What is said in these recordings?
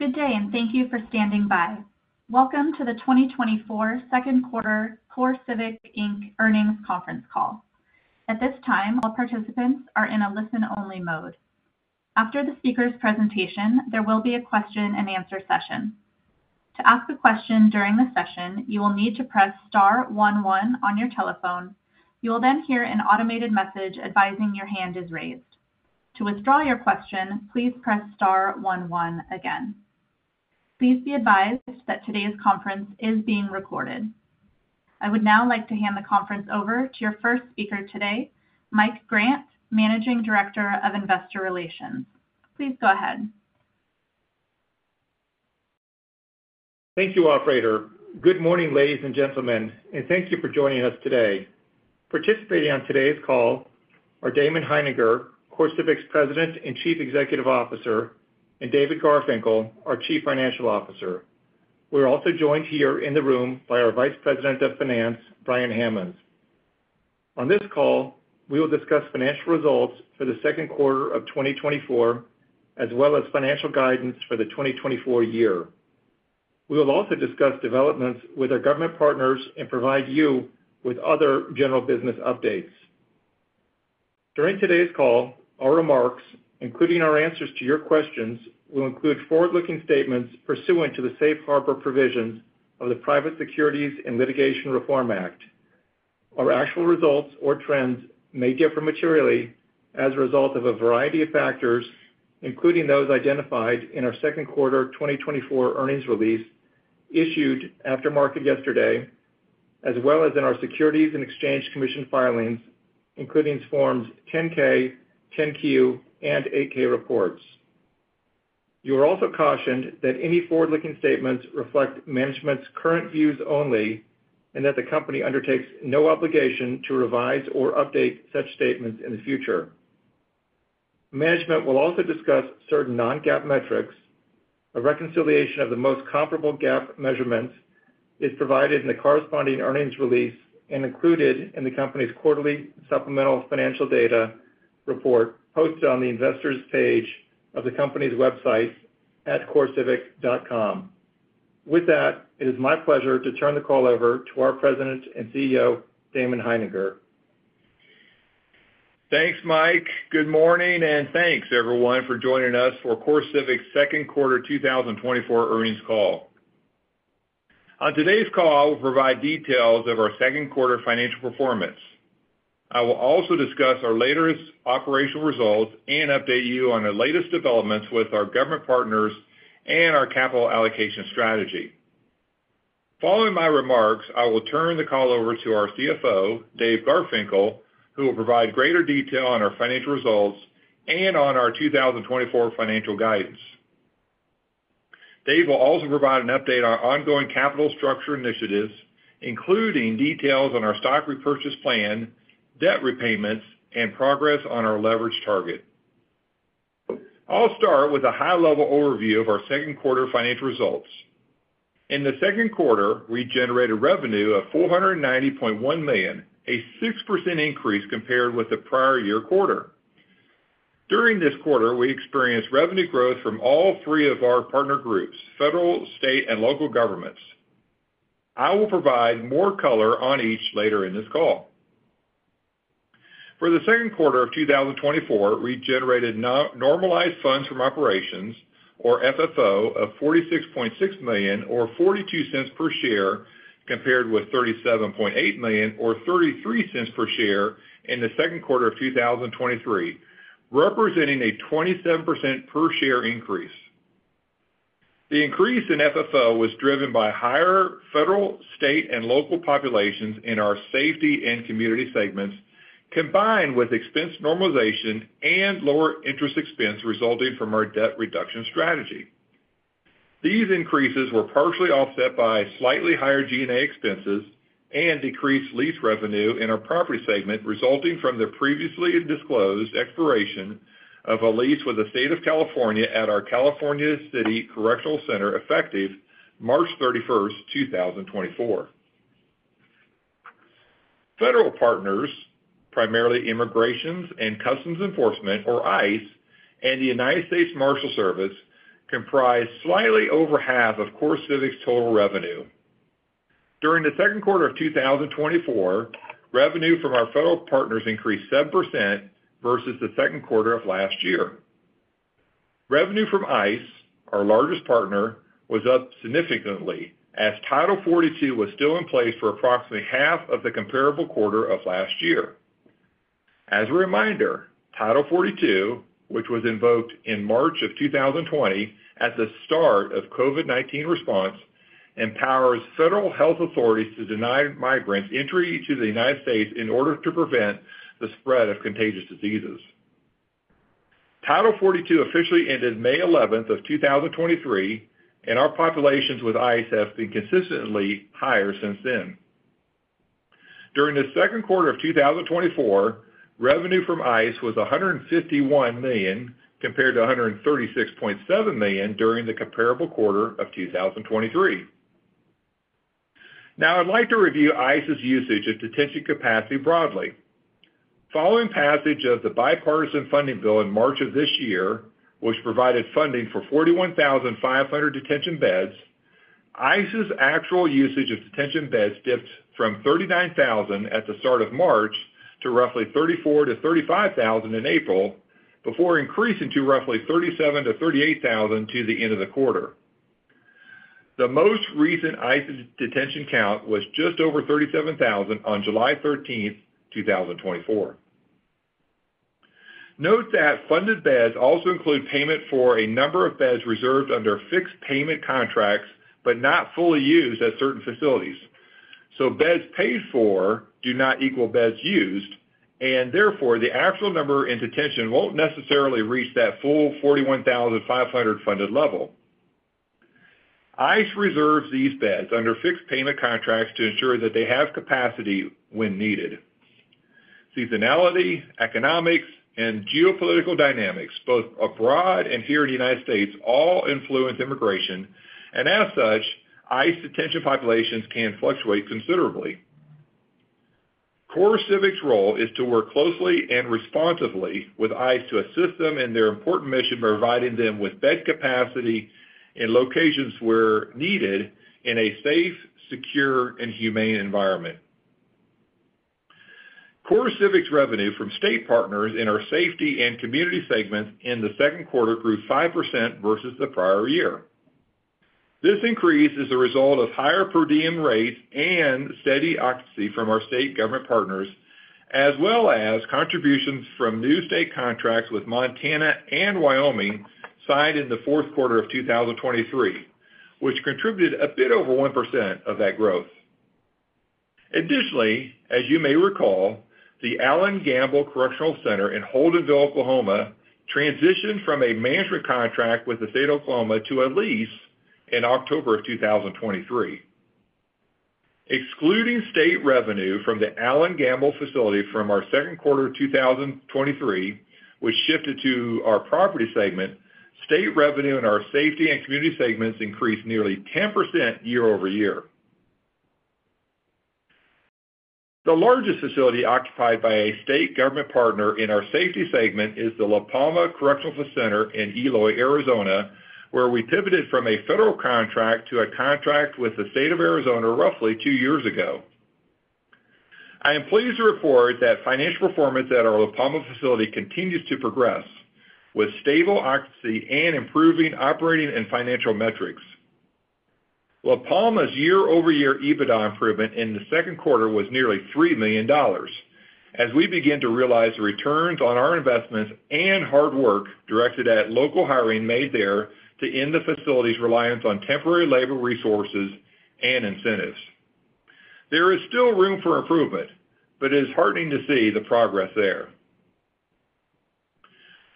Good day, and thank you for standing by. Welcome to the 2024 second quarter CoreCivic, Inc. earnings conference call. At this time, all participants are in a listen-only mode. After the speaker's presentation, there will be a question-and-answer session. To ask a question during the session, you will need to press star one one on your telephone. You will then hear an automated message advising your hand is raised. To withdraw your question, please press star one one again. Please be advised that today's conference is being recorded. I would now like to hand the conference over to your first speaker today, Mike Grant, Managing Director of Investor Relations. Please go ahead. Thank you, operator. Good morning, ladies and gentlemen, and thank you for joining us today. Participating on today's call are Damon Hininger, CoreCivic's President and Chief Executive Officer, and David Garfinkel, our Chief Financial Officer. We're also joined here in the room by our Vice President of Finance, Brian Hammons. On this call, we will discuss financial results for the second quarter of 2024, as well as financial guidance for the 2024 year. We will also discuss developments with our government partners and provide you with other general business updates. During today's call, our remarks, including our answers to your questions, will include forward-looking statements pursuant to the safe harbor provisions of the Private Securities and Litigation Reform Act. Our actual results or trends may differ materially as a result of a variety of factors, including those identified in our second quarter 2024 earnings release issued after market yesterday, as well as in our Securities and Exchange Commission filings, including Forms 10-K, 10-Q, and 8-K reports. You are also cautioned that any forward-looking statements reflect management's current views only and that the company undertakes no obligation to revise or update such statements in the future. Management will also discuss certain non-GAAP metrics. A reconciliation of the most comparable GAAP measurements is provided in the corresponding earnings release and included in the company's quarterly supplemental financial data report, posted on the Investors page of the company's website at CoreCivic.com. With that, it is my pleasure to turn the call over to our President and CEO, Damon Hininger. Thanks, Mike. Good morning, and thanks, everyone, for joining us for CoreCivic's second quarter 2024 earnings call. On today's call, we'll provide details of our second quarter financial performance. I will also discuss our latest operational results and update you on the latest developments with our government partners and our capital allocation strategy. Following my remarks, I will turn the call over to our CFO, Dave Garfinkel, who will provide greater detail on our financial results and on our 2024 financial guidance. Dave will also provide an update on ongoing capital structure initiatives, including details on our stock repurchase plan, debt repayments, and progress on our leverage target. I'll start with a high-level overview of our second quarter financial results. In the second quarter, we generated revenue of $490.1 million, a 6% increase compared with the prior year quarter. During this quarter, we experienced revenue growth from all three of our partner groups, federal, state, and local governments. I will provide more color on each later in this call. For the second quarter of 2024, we generated normalized funds from operations, or FFO, of $46.6 million, or $0.42 per share, compared with $37.8 million, or $0.33 per share in the second quarter of 2023, representing a 27% per share increase. The increase in FFO was driven by higher federal, state, and local populations in our safety and community segments, combined with expense normalization and lower interest expense resulting from our debt reduction strategy. These increases were partially offset by slightly higher G&A expenses and decreased lease revenue in our property segment, resulting from the previously disclosed expiration of a lease with the state of California at our California City Correctional Center, effective March 31, 2024. Federal partners, primarily Immigration and Customs Enforcement, or ICE, and the United States Marshals Service, comprise slightly over half of CoreCivic's total revenue. During the second quarter of 2024, revenue from our federal partners increased 7% versus the second quarter of last year. Revenue from ICE, our largest partner, was up significantly as Title 42 was still in place for approximately half of the comparable quarter of last year. As a reminder, Title 42, which was invoked in March of 2020, as the start of COVID-19 response, empowers federal health authorities to deny migrants entry to the United States in order to prevent the spread of contagious diseases. Title 42 officially ended May 11 of 2023, and our populations with ICE has been consistently higher since then. During the second quarter of 2024, revenue from ICE was $151 million, compared to $136.7 million during the comparable quarter of 2023.... Now, I'd like to review ICE's usage of detention capacity broadly. Following passage of the bipartisan funding bill in March of this year, which provided funding for 41,500 detention beds, ICE's actual usage of detention beds dipped from 39,000 at the start of March to roughly 34,000-35,000 in April, before increasing to roughly 37,000-38,000 to the end of the quarter. The most recent ICE detention count was just over 37,000 on July 13, 2024. Note that funded beds also include payment for a number of beds reserved under fixed payment contracts, but not fully used at certain facilities. So beds paid for do not equal beds used, and therefore, the actual number in detention won't necessarily reach that full 41,500 funded level. ICE reserves these beds under fixed payment contracts to ensure that they have capacity when needed. Seasonality, economics, and geopolitical dynamics, both abroad and here in the United States, all influence immigration, and as such, ICE detention populations can fluctuate considerably. CoreCivic's role is to work closely and responsively with ICE to assist them in their important mission by providing them with bed capacity in locations where needed in a safe, secure, and humane environment. CoreCivic's revenue from state partners in our safety and community segments in the second quarter grew 5% versus the prior year. This increase is a result of higher per diem rates and steady occupancy from our state government partners, as well as contributions from new state contracts with Montana and Wyoming, signed in the fourth quarter of 2023, which contributed a bit over 1% of that growth. Additionally, as you may recall, the Allen Gamble Correctional Center in Holdenville, Oklahoma, transitioned from a management contract with the state of Oklahoma to a lease in October of 2023. Excluding state revenue from the Allen Gamble facility from our second quarter of 2023, which shifted to our property segment, state revenue in our safety and community segments increased nearly 10% year-over-year. The largest facility occupied by a state government partner in our safety segment is the La Palma Correctional Center in Eloy, Arizona, where we pivoted from a federal contract to a contract with the state of Arizona roughly two years ago. I am pleased to report that financial performance at our La Palma facility continues to progress, with stable occupancy and improving operating and financial metrics. La Palma's year-over-year EBITDA improvement in the second quarter was nearly $3 million, as we begin to realize the returns on our investments and hard work directed at local hiring made there to end the facility's reliance on temporary labor resources and incentives. There is still room for improvement, but it is heartening to see the progress there.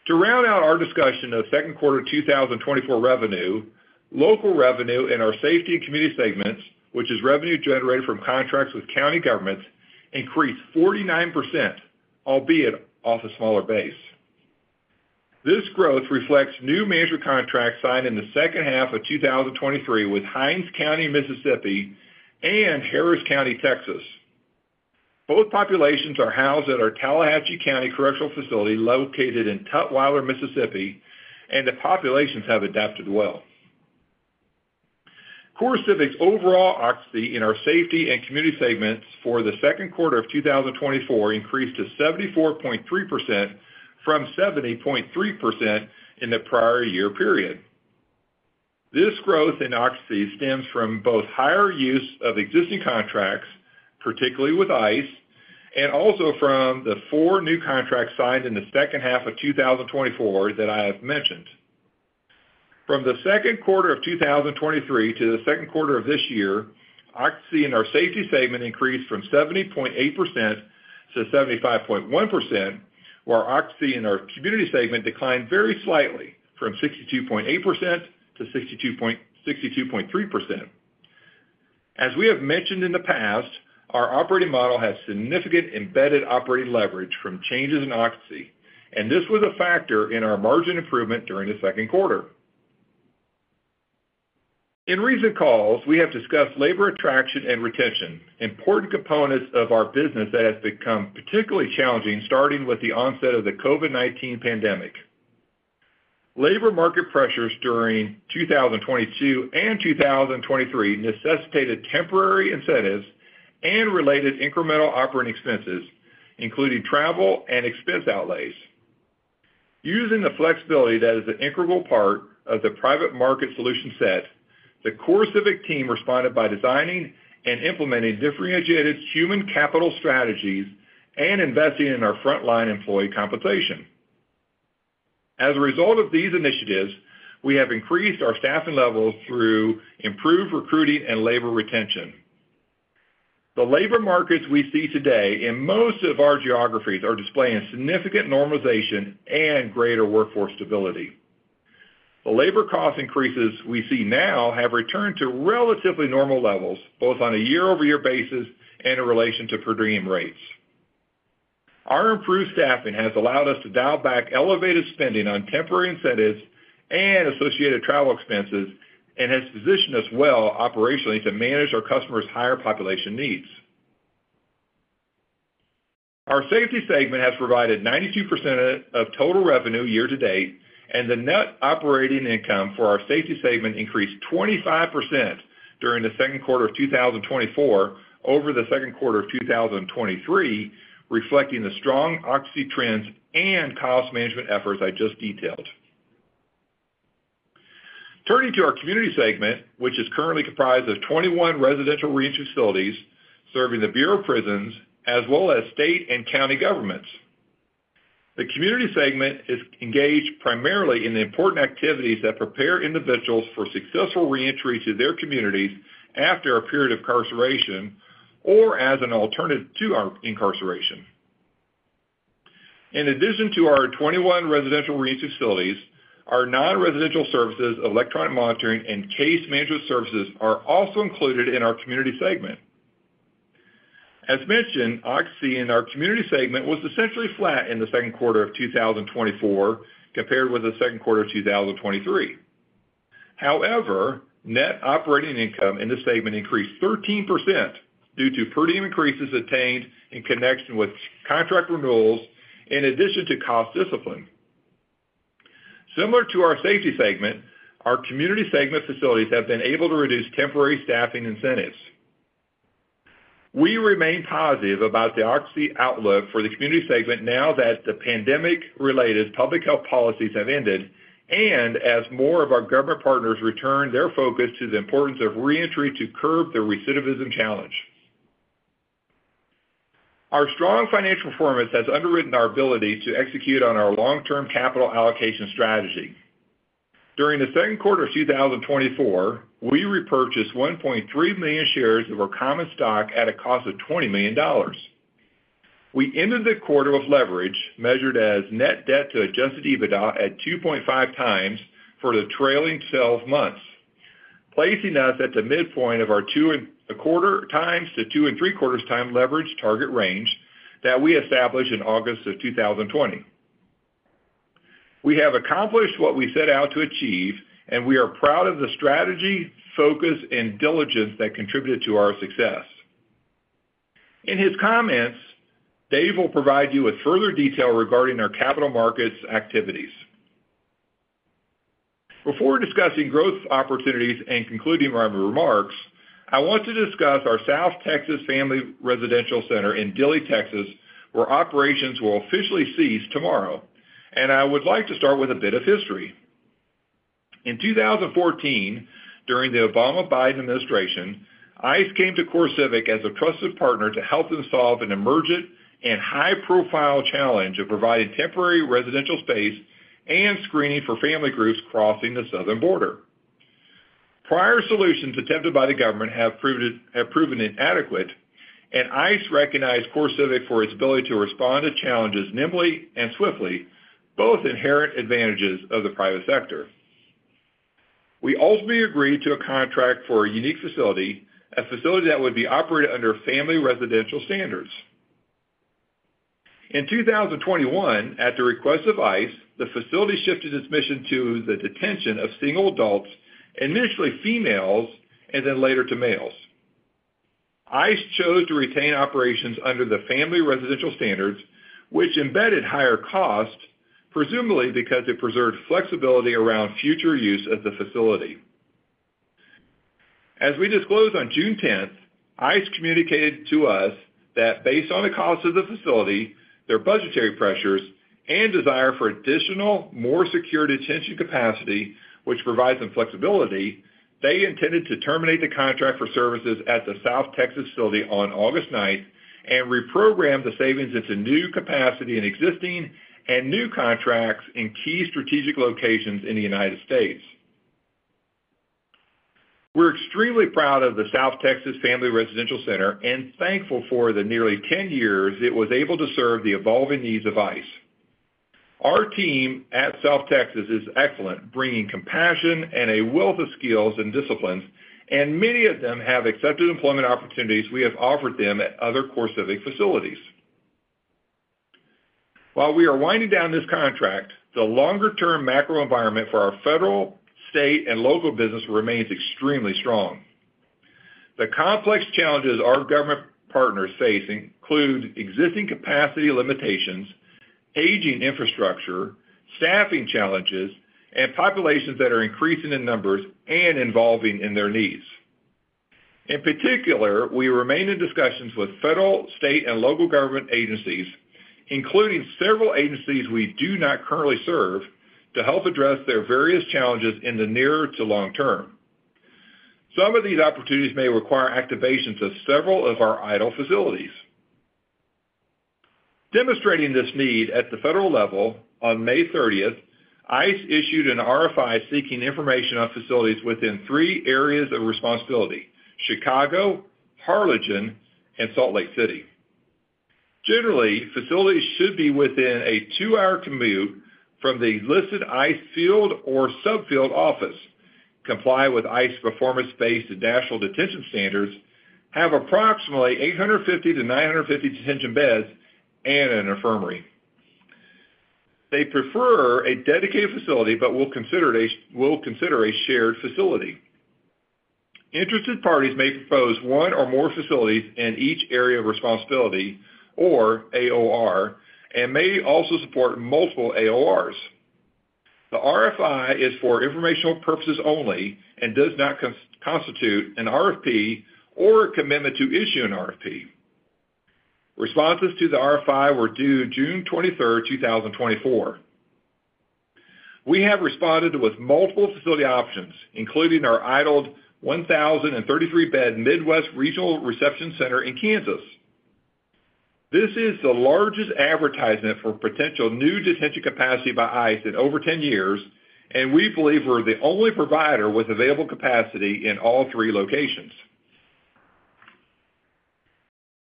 To round out our discussion of second quarter 2024 revenue, local revenue in our safety and community segments, which is revenue generated from contracts with county governments, increased 49%, albeit off a smaller base. This growth reflects new management contracts signed in the second half of 2023 with Hinds County, Mississippi, and Harris County, Texas. Both populations are housed at our Tallahatchie County Correctional Facility, located in Tutwiler, Mississippi, and the populations have adapted well. CoreCivic's overall occupancy in our safety and community segments for the second quarter of 2024 increased to 74.3% from 70.3% in the prior year period. This growth in occupancy stems from both higher use of existing contracts, particularly with ICE, and also from the four new contracts signed in the second half of 2024 that I have mentioned. From the second quarter of 2023 to the second quarter of this year, occupancy in our safety segment increased from 70.8% to 75.1%, while our occupancy in our community segment declined very slightly from 62.8% to 62.3%. As we have mentioned in the past, our operating model has significant embedded operating leverage from changes in occupancy, and this was a factor in our margin improvement during the second quarter. In recent calls, we have discussed labor attraction and retention, important components of our business that has become particularly challenging, starting with the onset of the COVID-19 pandemic. Labor market pressures during 2022 and 2023 necessitated temporary incentives and related incremental operating expenses, including travel and expense outlays. Using the flexibility that is an integral part of the private market solution set, the CoreCivic team responded by designing and implementing differentiated human capital strategies and investing in our frontline employee compensation. As a result of these initiatives, we have increased our staffing levels through improved recruiting and labor retention. The labor markets we see today in most of our geographies are displaying significant normalization and greater workforce stability. The labor cost increases we see now have returned to relatively normal levels, both on a year-over-year basis and in relation to per diem rates.... Our improved staffing has allowed us to dial back elevated spending on temporary incentives and associated travel expenses, and has positioned us well operationally to manage our customers' higher population needs. Our safety segment has provided 92% of total revenue year to date, and the net operating income for our safety segment increased 25% during the second quarter of 2024 over the second quarter of 2023, reflecting the strong occupancy trends and cost management efforts I just detailed. Turning to our community segment, which is currently comprised of 21 residential reentry facilities serving the Bureau of Prisons, as well as state and county governments. The community segment is engaged primarily in the important activities that prepare individuals for successful reentry to their communities after a period of incarceration, or as an alternative to our incarceration. In addition to our 21 residential reentry facilities, our non-residential services, electronic monitoring, and case management services are also included in our community segment. As mentioned, occupancy in our community segment was essentially flat in the second quarter of 2024 compared with the second quarter of 2023. However, net operating income in this segment increased 13% due to per diem increases attained in connection with contract renewals, in addition to cost discipline. Similar to our safety segment, our community segment facilities have been able to reduce temporary staffing incentives. We remain positive about the occupancy outlook for the community segment now that the pandemic-related public health policies have ended, and as more of our government partners return their focus to the importance of reentry to curb the recidivism challenge. Our strong financial performance has underwritten our ability to execute on our long-term capital allocation strategy. During the second quarter of 2024, we repurchased 1.3 million shares of our common stock at a cost of $20 million. We ended the quarter with leverage, measured as net debt to Adjusted EBITDA at 2.5 times for the trailing twelve months, placing us at the midpoint of our 2.25 times-2.75 times leverage target range that we established in August of 2020. We have accomplished what we set out to achieve, and we are proud of the strategy, focus, and diligence that contributed to our success. In his comments, Dave will provide you with further detail regarding our capital markets activities. Before discussing growth opportunities and concluding my remarks, I want to discuss our South Texas Family Residential Center in Dilley, Texas, where operations will officially cease tomorrow, and I would like to start with a bit of history. In 2014, during the Obama-Biden administration, ICE came to CoreCivic as a trusted partner to help them solve an emergent and high-profile challenge of providing temporary residential space and screening for family groups crossing the southern border. Prior solutions attempted by the government have proven inadequate, and ICE recognized CoreCivic for its ability to respond to challenges nimbly and swiftly, both inherent advantages of the private sector. We ultimately agreed to a contract for a unique facility, a facility that would be operated under family residential standards. In 2021, at the request of ICE, the facility shifted its mission to the detention of single adults, initially females, and then later to males. ICE chose to retain operations under the family residential standards, which embedded higher costs, presumably because it preserved flexibility around future use of the facility. As we disclosed on June 10, ICE communicated to us that based on the cost of the facility, their budgetary pressures, and desire for additional, more secure detention capacity, which provides them flexibility, they intended to terminate the contract for services at the South Texas facility on August 9 and reprogram the savings into new capacity in existing and new contracts in key strategic locations in the United States. We're extremely proud of the South Texas Family Residential Center and thankful for the nearly 10 years it was able to serve the evolving needs of ICE. Our team at South Texas is excellent, bringing compassion and a wealth of skills and disciplines, and many of them have accepted employment opportunities we have offered them at other CoreCivic facilities. While we are winding down this contract, the longer-term macro environment for our federal, state, and local business remains extremely strong. The complex challenges our government partners face include existing capacity limitations, aging infrastructure, staffing challenges, and populations that are increasing in numbers and evolving in their needs. In particular, we remain in discussions with federal, state, and local government agencies, including several agencies we do not currently serve, to help address their various challenges in the near to long term. Some of these opportunities may require activations of several of our idle facilities. Demonstrating this need at the federal level, on May 30, ICE issued an RFI seeking information on facilities within three areas of responsibility: Chicago, Harlingen, and Salt Lake City. Generally, facilities should be within a 2-hour commute from the listed ICE field or subfield office, comply with ICE performance-based national detention standards, have approximately 850-950 detention beds and an infirmary. They prefer a dedicated facility, but will consider a, will consider a shared facility. Interested parties may propose one or more facilities in each area of responsibility, or AOR, and may also support multiple AORs. The RFI is for informational purposes only and does not constitute an RFP or a commitment to issue an RFP. Responses to the RFI were due June 23, 2024. We have responded with multiple facility options, including our idled 1,033-bed Midwest Regional Reception Center in Kansas. This is the largest advertisement for potential new detention capacity by ICE in over 10 years, and we believe we're the only provider with available capacity in all three locations.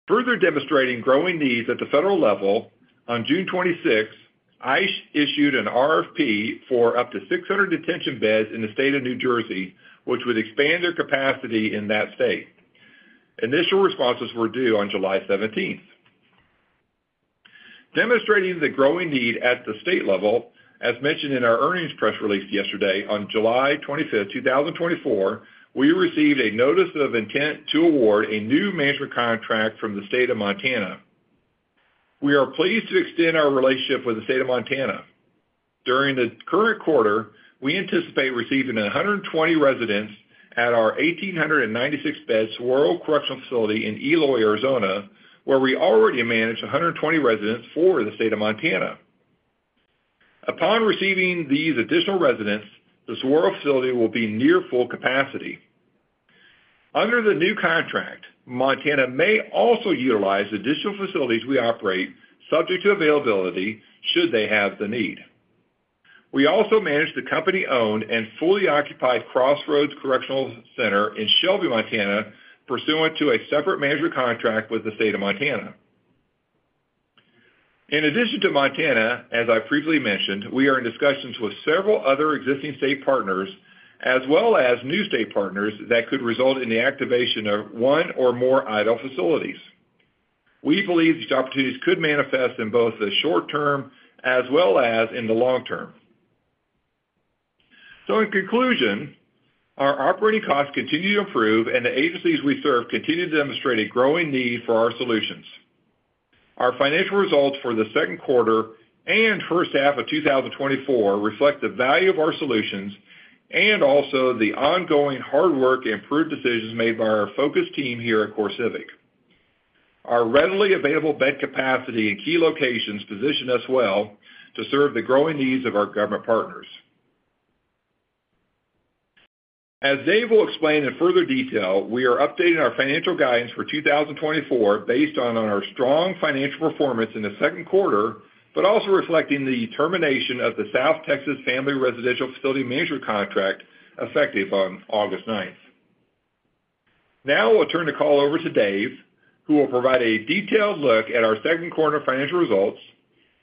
Further demonstrating growing needs at the federal level, on June 26, ICE issued an RFP for up to 600 detention beds in the state of New Jersey, which would expand their capacity in that state. Initial responses were due on July 17th. Demonstrating the growing need at the state level, as mentioned in our earnings press release yesterday, on July 25, 2024, we received a notice of intent to award a new management contract from the state of Montana. We are pleased to extend our relationship with the state of Montana. During the current quarter, we anticipate receiving 120 residents at our 1,896-bed Saguaro Correctional Facility in Eloy, Arizona, where we already manage 120 residents for the state of Montana. Upon receiving these additional residents, the Saguaro facility will be near full capacity. Under the new contract, Montana may also utilize additional facilities we operate, subject to availability, should they have the need. We also manage the company-owned and fully occupied Crossroads Correctional Center in Shelby, Montana, pursuant to a separate management contract with the state of Montana. In addition to Montana, as I previously mentioned, we are in discussions with several other existing state partners, as well as new state partners, that could result in the activation of one or more idle facilities. We believe these opportunities could manifest in both the short term as well as in the long term. So in conclusion, our operating costs continue to improve, and the agencies we serve continue to demonstrate a growing need for our solutions. Our financial results for the second quarter and first half of 2024 reflect the value of our solutions and also the ongoing hard work and improved decisions made by our focused team here at CoreCivic. Our readily available bed capacity in key locations position us well to serve the growing needs of our government partners. As Dave will explain in further detail, we are updating our financial guidance for 2024 based on our strong financial performance in the second quarter, but also reflecting the termination of the South Texas Family Residential Center management contract, effective on August 9th. Now I'll turn the call over to Dave, who will provide a detailed look at our second quarter financial results,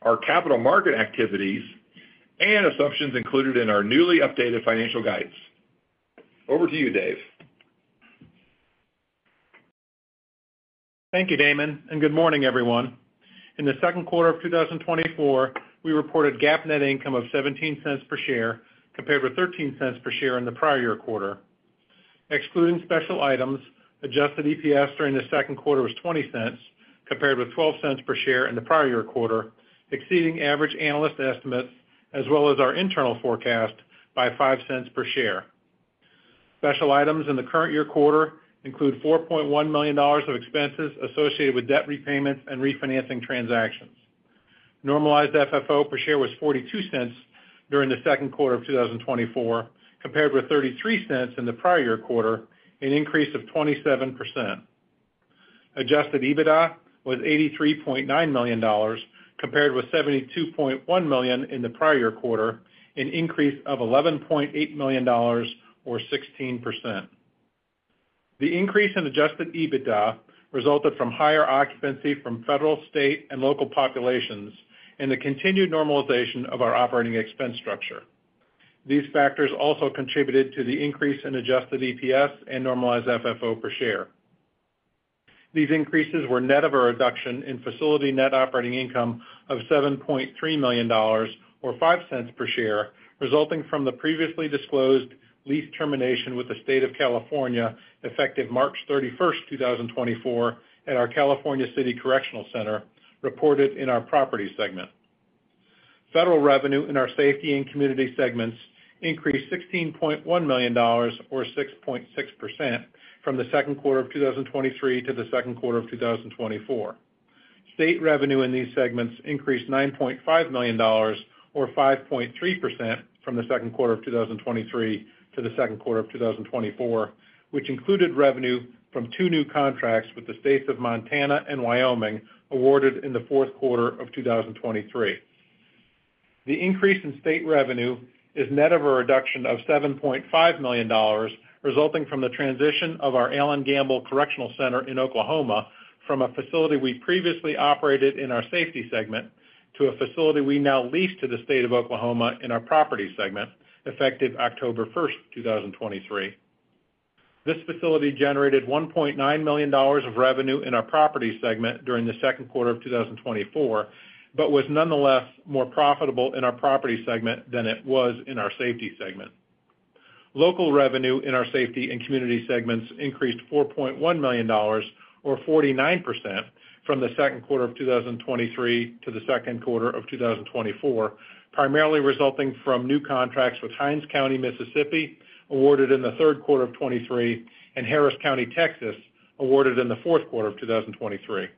our capital market activities, and assumptions included in our newly updated financial guidance. Over to you, Dave. Thank you, Damon, and good morning, everyone. In the second quarter of 2024, we reported GAAP net income of $0.17 per share, compared with $0.13 per share in the prior year quarter. Excluding special items, adjusted EPS during the second quarter was $0.20, compared with $0.12 per share in the prior year quarter, exceeding average analyst estimates, as well as our internal forecast, by $0.05 per share. Special items in the current year quarter include $4.1 million of expenses associated with debt repayments and refinancing transactions. Normalized FFO per share was $0.42 during the second quarter of 2024, compared with $0.33 in the prior year quarter, an increase of 27%. Adjusted EBITDA was $83.9 million, compared with $72.1 million in the prior year quarter, an increase of $11.8 million or 16%. The increase in adjusted EBITDA resulted from higher occupancy from federal, state, and local populations and the continued normalization of our operating expense structure. These factors also contributed to the increase in adjusted EPS and normalized FFO per share. These increases were net of a reduction in facility net operating income of $7.3 million, or $0.05 per share, resulting from the previously disclosed lease termination with the state of California, effective March 31st, 2024, at our California City Correctional Center, reported in our property segment. Federal revenue in our safety and community segments increased $16.1 million, or 6.6%, from the second quarter of 2023 to the second quarter of 2024. State revenue in these segments increased $9.5 million or 5.3% from the second quarter of 2023 to the second quarter of 2024, which included revenue from 2 new contracts with the states of Montana and Wyoming, awarded in the fourth quarter of 2023. The increase in state revenue is net of a reduction of $7.5 million, resulting from the transition of our Allen Gamble Correctional Center in Oklahoma from a facility we previously operated in our safety segment to a facility we now lease to the state of Oklahoma in our property segment, effective October 1, 2023.... This facility generated $1.9 million of revenue in our property segment during the second quarter of 2024, but was nonetheless more profitable in our property segment than it was in our safety segment. Local revenue in our safety and community segments increased $4.1 million, or 49%, from the second quarter of 2023 to the second quarter of 2024, primarily resulting from new contracts with Hinds County, Mississippi, awarded in the third quarter of 2023, and Harris County, Texas, awarded in the fourth quarter of 2023.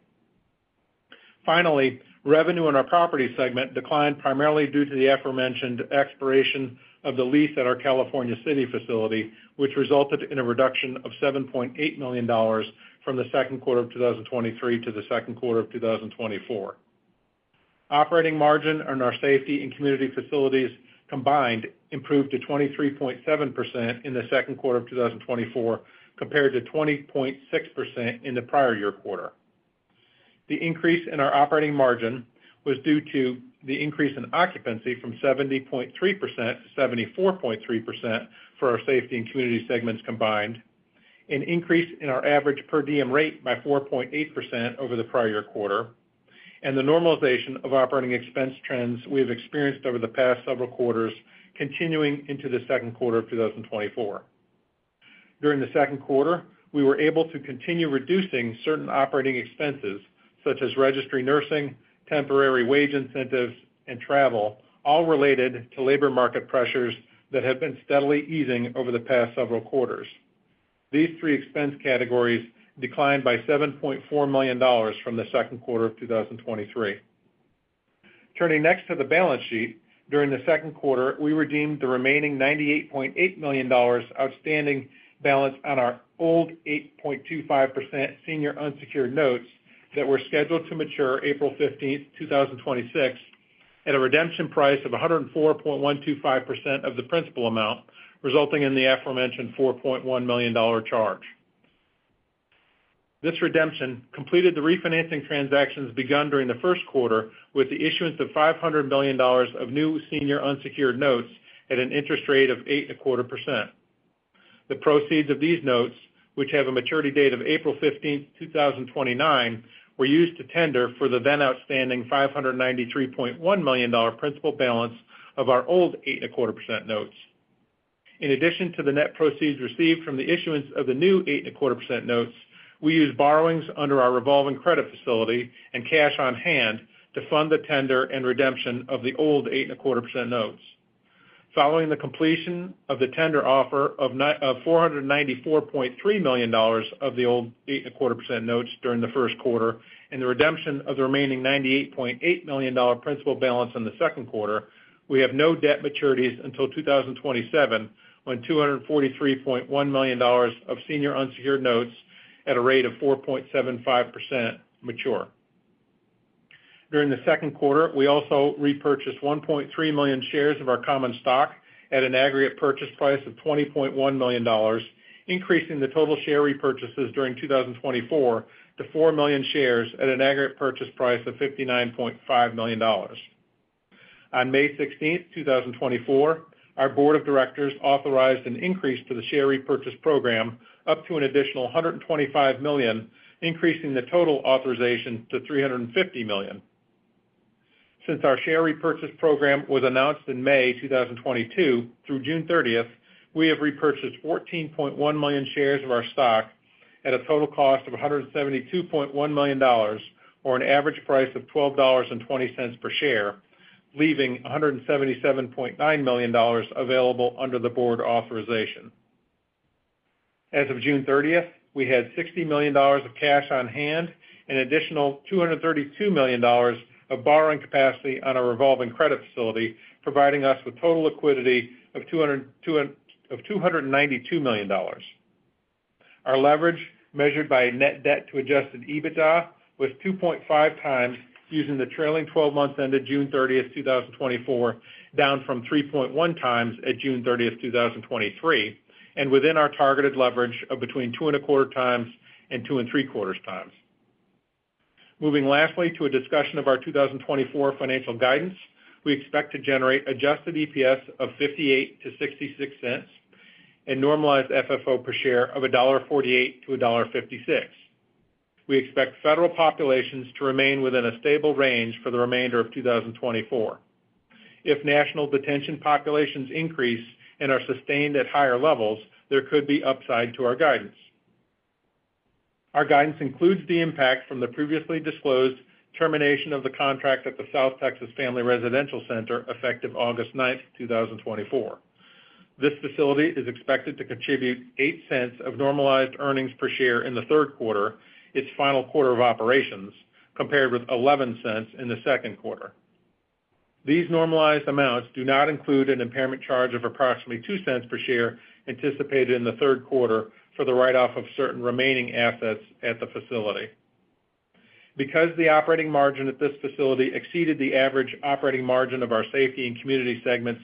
Finally, revenue in our property segment declined primarily due to the aforementioned expiration of the lease at our California City facility, which resulted in a reduction of $7.8 million from the second quarter of 2023 to the second quarter of 2024. Operating margin on our safety and community facilities combined improved to 23.7% in the second quarter of 2024, compared to 20.6% in the prior year quarter. The increase in our operating margin was due to the increase in occupancy from 70.3% to 74.3% for our safety and community segments combined, an increase in our average per diem rate by 4.8% over the prior year quarter, and the normalization of operating expense trends we have experienced over the past several quarters continuing into the second quarter of 2024. During the second quarter, we were able to continue reducing certain operating expenses, such as registry nursing, temporary wage incentives, and travel, all related to labor market pressures that have been steadily easing over the past several quarters. These three expense categories declined by $7.4 million from the second quarter of 2023. Turning next to the balance sheet. During the second quarter, we redeemed the remaining $98.8 million outstanding balance on our old 8.25% senior unsecured notes that were scheduled to mature April 15, 2026, at a redemption price of 104.125% of the principal amount, resulting in the aforementioned $4.1 million charge. This redemption completed the refinancing transactions begun during the first quarter, with the issuance of $500 million of new senior unsecured notes at an interest rate of 8.25%. The proceeds of these notes, which have a maturity date of April 15, 2029, were used to tender for the then outstanding $593.1 million principal balance of our old 8.25% notes. In addition to the net proceeds received from the issuance of the new 8.25% notes, we used borrowings under our revolving credit facility and cash on hand to fund the tender and redemption of the old 8.25% notes. Following the completion of the tender offer of $494.3 million of the old 8.25% notes during the first quarter, and the redemption of the remaining $98.8 million dollar principal balance in the second quarter, we have no debt maturities until 2027, when $243.1 million of senior unsecured notes at a rate of 4.75% mature. During the second quarter, we also repurchased 1.3 million shares of our common stock at an aggregate purchase price of $20.1 million, increasing the total share repurchases during 2024 to 4 million shares at an aggregate purchase price of $59.5 million. On May 16, 2024, our board of directors authorized an increase to the share repurchase program up to an additional $125 million, increasing the total authorization to $350 million. Since our share repurchase program was announced in May 2022, through June 30, we have repurchased 14.1 million shares of our stock at a total cost of $172.1 million, or an average price of $12.20 per share, leaving $177.9 million available under the board authorization. As of June 30, we had $60 million of cash on hand and an additional $232 million of borrowing capacity on our revolving credit facility, providing us with total liquidity of $292 million. Our leverage, measured by net debt to adjusted EBITDA, was 2.5 times using the trailing twelve months ended June 30, 2024, down from 3.1 times at June 30, 2023, and within our targeted leverage of between 2.25 times and 2.75 times. Moving lastly to a discussion of our 2024 financial guidance. We expect to generate adjusted EPS of $0.58-$0.66 and normalized FFO per share of $1.48-$1.56. We expect federal populations to remain within a stable range for the remainder of 2024. If national detention populations increase and are sustained at higher levels, there could be upside to our guidance. Our guidance includes the impact from the previously disclosed termination of the contract at the South Texas Family Residential Center, effective August 9, 2024. This facility is expected to contribute $0.08 of normalized earnings per share in the third quarter, its final quarter of operations, compared with $0.11 in the second quarter. These normalized amounts do not include an impairment charge of approximately $0.02 per share anticipated in the third quarter for the write-off of certain remaining assets at the facility. Because the operating margin at this facility exceeded the average operating margin of our safety and community segments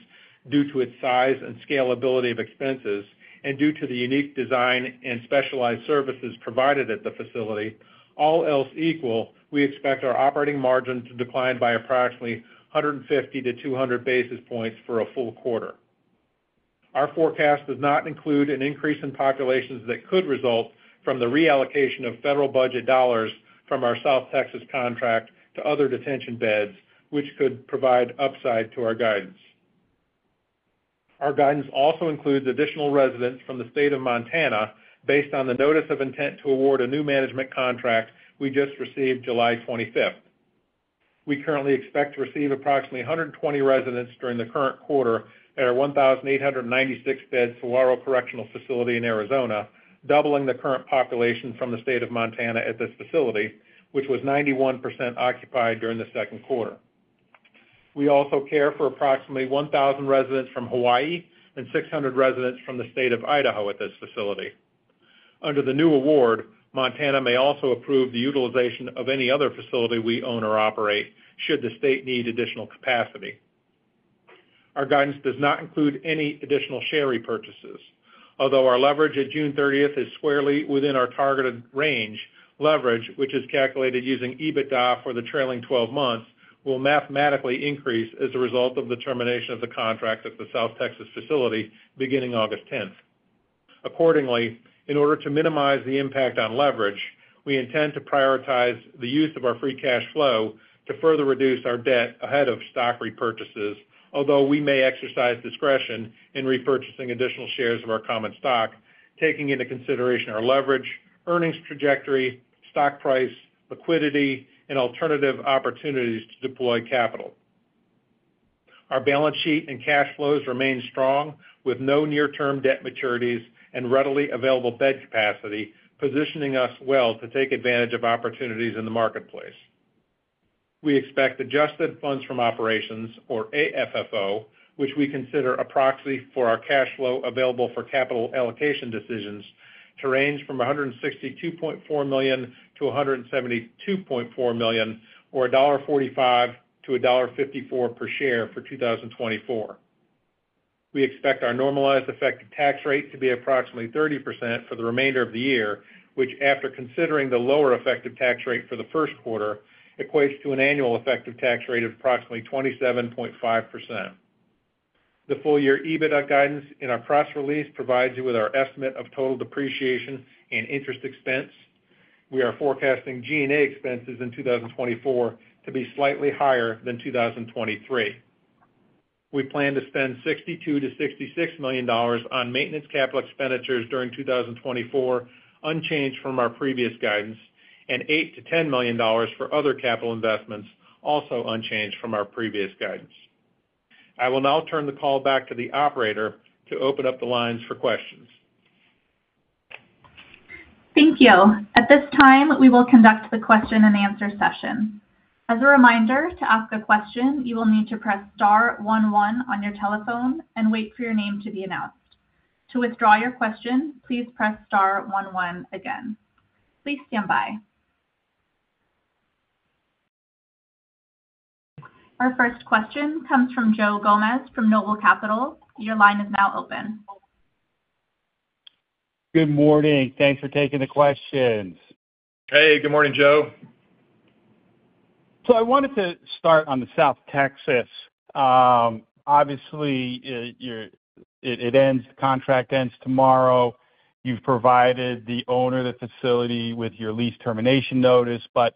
due to its size and scalability of expenses, and due to the unique design and specialized services provided at the facility, all else equal, we expect our operating margin to decline by approximately 150-200 basis points for a full quarter.... Our forecast does not include an increase in populations that could result from the reallocation of federal budget dollars from our South Texas contract to other detention beds, which could provide upside to our guidance. Our guidance also includes additional residents from the state of Montana, based on the notice of intent to award a new management contract we just received July 25th. We currently expect to receive approximately 120 residents during the current quarter at our 1,896-bed Saguaro Correctional Facility in Arizona, doubling the current population from the state of Montana at this facility, which was 91% occupied during the second quarter. We also care for approximately 1,000 residents from Hawaii and 600 residents from the state of Idaho at this facility. Under the new award, Montana may also approve the utilization of any other facility we own or operate, should the state need additional capacity. Our guidance does not include any additional share repurchases. Although our leverage at June 30 is squarely within our targeted range, leverage, which is calculated using EBITDA for the trailing twelve months, will mathematically increase as a result of the termination of the contract at the South Texas facility beginning August 10. Accordingly, in order to minimize the impact on leverage, we intend to prioritize the use of our free cash flow to further reduce our debt ahead of stock repurchases, although we may exercise discretion in repurchasing additional shares of our common stock, taking into consideration our leverage, earnings trajectory, stock price, liquidity, and alternative opportunities to deploy capital. Our balance sheet and cash flows remain strong, with no near-term debt maturities and readily available bed capacity, positioning us well to take advantage of opportunities in the marketplace. We expect adjusted funds from operations, or AFFO, which we consider a proxy for our cash flow available for capital allocation decisions, to range from $162.4 million-$172.4 million, or $1.45-$1.54 per share for 2024. We expect our normalized effective tax rate to be approximately 30% for the remainder of the year, which, after considering the lower effective tax rate for the first quarter, equates to an annual effective tax rate of approximately 27.5%. The full-year EBITDA guidance in our press release provides you with our estimate of total depreciation and interest expense. We are forecasting G&A expenses in 2024 to be slightly higher than 2023. We plan to spend $62 million-$66 million on maintenance capital expenditures during 2024, unchanged from our previous guidance, and $8 million-$10 million for other capital investments, also unchanged from our previous guidance. I will now turn the call back to the operator to open up the lines for questions. Thank you. At this time, we will conduct the question-and-answer session. As a reminder, to ask a question, you will need to press star one one on your telephone and wait for your name to be announced. To withdraw your question, please press star one one again. Please stand by. Our first question comes from Joe Gomes from Noble Capital. Your line is now open. Good morning. Thanks for taking the questions. Hey, good morning, Joe. So I wanted to start on the South Texas. Obviously, it ends, the contract ends tomorrow. You've provided the owner of the facility with your lease termination notice. But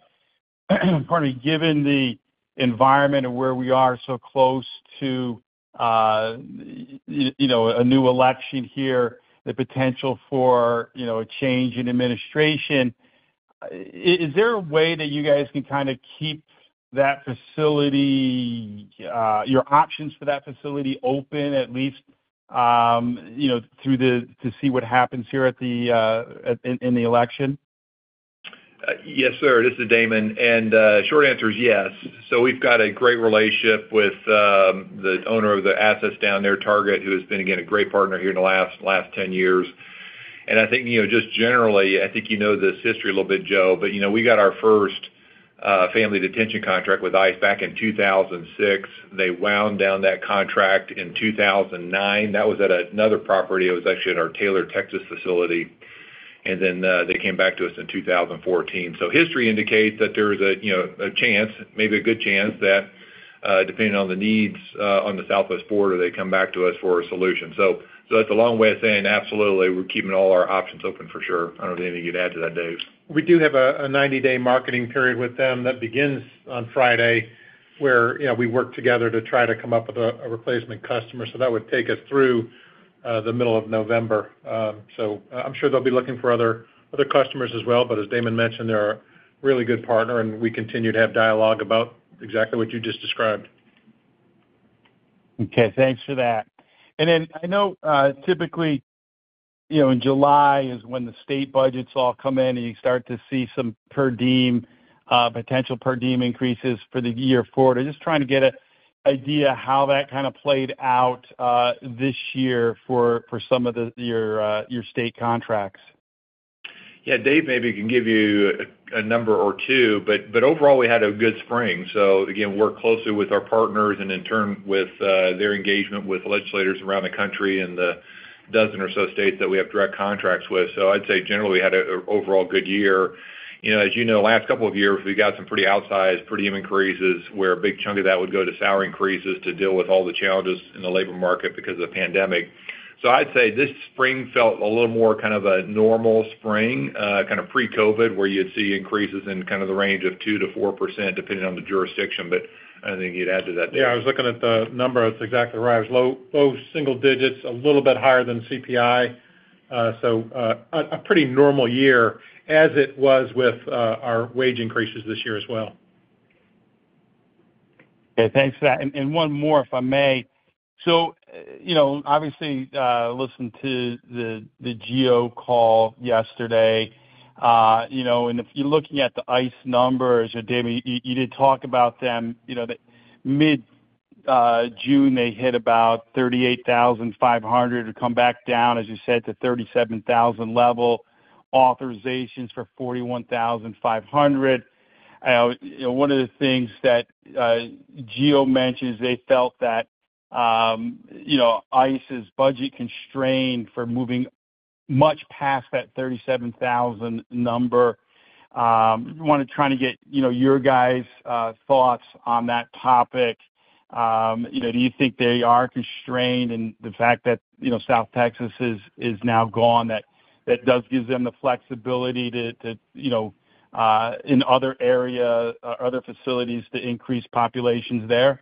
pardon me, given the environment and where we are so close to, you know, a new election here, the potential for, you know, a change in administration, is there a way that you guys can kind of keep that facility, your options for that facility open, at least, you know, through the... to see what happens here at the, in the election? Yes, sir. This is Damon, and short answer is yes. So we've got a great relationship with the owner of the assets down there, Target, who has been, again, a great partner here in the last 10 years. And I think, you know, just generally, I think you know this history a little bit, Joe, but, you know, we got our first family detention contract with ICE back in 2006. They wound down that contract in 2009. That was at another property. It was actually at our Taylor, Texas, facility. And then they came back to us in 2014. So history indicates that there is a, you know, a chance, maybe a good chance, that depending on the needs on the Southwest border, they come back to us for a solution. So, that's a long way of saying, absolutely, we're keeping all our options open for sure. I don't know anything you'd add to that, Dave. We do have a 90-day marketing period with them that begins on Friday, where, you know, we work together to try to come up with a replacement customer. So that would take us through the middle of November. I'm sure they'll be looking for other customers as well, but as Damon mentioned, they're a really good partner, and we continue to have dialogue about exactly what you just described. Okay, thanks for that. And then I know, typically, you know, in July is when the state budgets all come in, and you start to see some per diem potential per diem increases for the year forward. I'm just trying to get an idea how that kind of played out this year for some of your state contracts. Yeah, Dave maybe can give you a number or two, but overall, we had a good spring. So again, work closely with our partners and in turn, with their engagement with legislators around the country and the dozen or so states that we have direct contracts with. So I'd say generally, we had an overall good year. You know, as you know, last couple of years, we got some pretty outsized premium increases, where a big chunk of that would go to salary increases to deal with all the challenges in the labor market because of the pandemic. So I'd say this spring felt a little more kind of a normal spring, kind of pre-COVID, where you'd see increases in kind of the range of 2%-4%, depending on the jurisdiction. But anything you'd add to that, Dave? Yeah, I was looking at the number. That's exactly right. It was low, low single digits, a little bit higher than CPI. So, a pretty normal year as it was with our wage increases this year as well. Okay, thanks for that. And one more, if I may. So, you know, obviously, listened to the GEO call yesterday. You know, and if you're looking at the ICE numbers, and Damon, you did talk about them, you know, that mid June, they hit about 38,500, to come back down, as you said, to 37,000 level, authorizations for 41,500. You know, one of the things that GEO mentions, they felt that, you know, ICE's budget constrained for moving much past that 37,000 number. Wanted to try to get, you know, your guys' thoughts on that topic. You know, do you think they are constrained by the fact that, you know, South Texas is now gone, that does give them the flexibility to, you know, in other areas, other facilities to increase populations there? Yeah,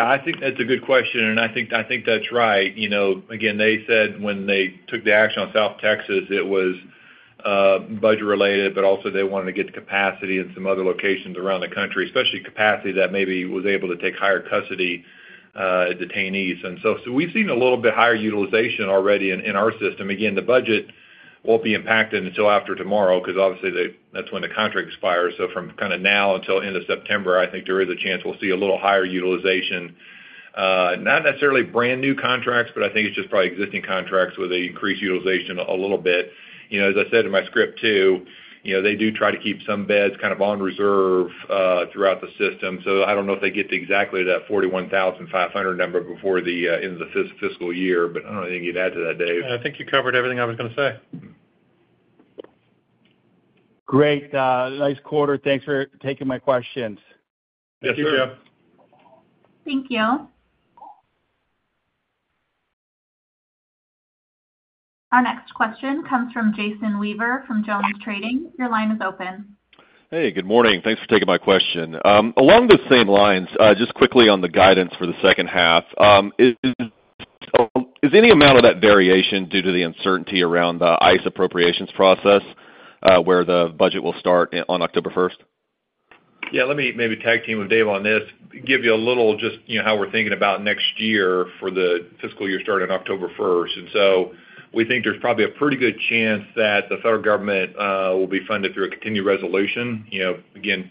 I think that's a good question, and I think that's right. You know, again, they said when they took the action on South Texas, it was budget-related, but also they wanted to get the capacity in some other locations around the country, especially capacity that maybe was able to take higher custody detainees. And so we've seen a little bit higher utilization already in our system. Again, the budget won't be impacted until after tomorrow because obviously that's when the contract expires. So from kind of now until end of September, I think there is a chance we'll see a little higher utilization. Not necessarily brand-new contracts, but I think it's just probably existing contracts where they increase utilization a little bit. You know, as I said in my script, too, you know, they do try to keep some beds kind of on reserve throughout the system. So I don't know if they get to exactly that 41,500 number before the end of the fiscal year, but I don't know anything you'd add to that, Dave. I think you covered everything I was gonna say. Great. Nice quarter. Thanks for taking my questions. Thank you. Yes, sure. Thank you. Our next question comes from Jason Weaver from JonesTrading. Your line is open. Hey, good morning. Thanks for taking my question. Along those same lines, just quickly on the guidance for the second half. Is any amount of that variation due to the uncertainty around the ICE appropriations process, where the budget will start on October 1st? Yeah, let me maybe tag team with Dave on this. Give you a little just, you know, how we're thinking about next year for the fiscal year starting October 1st. And so we think there's probably a pretty good chance that the federal government will be funded through a continued resolution. You know, again,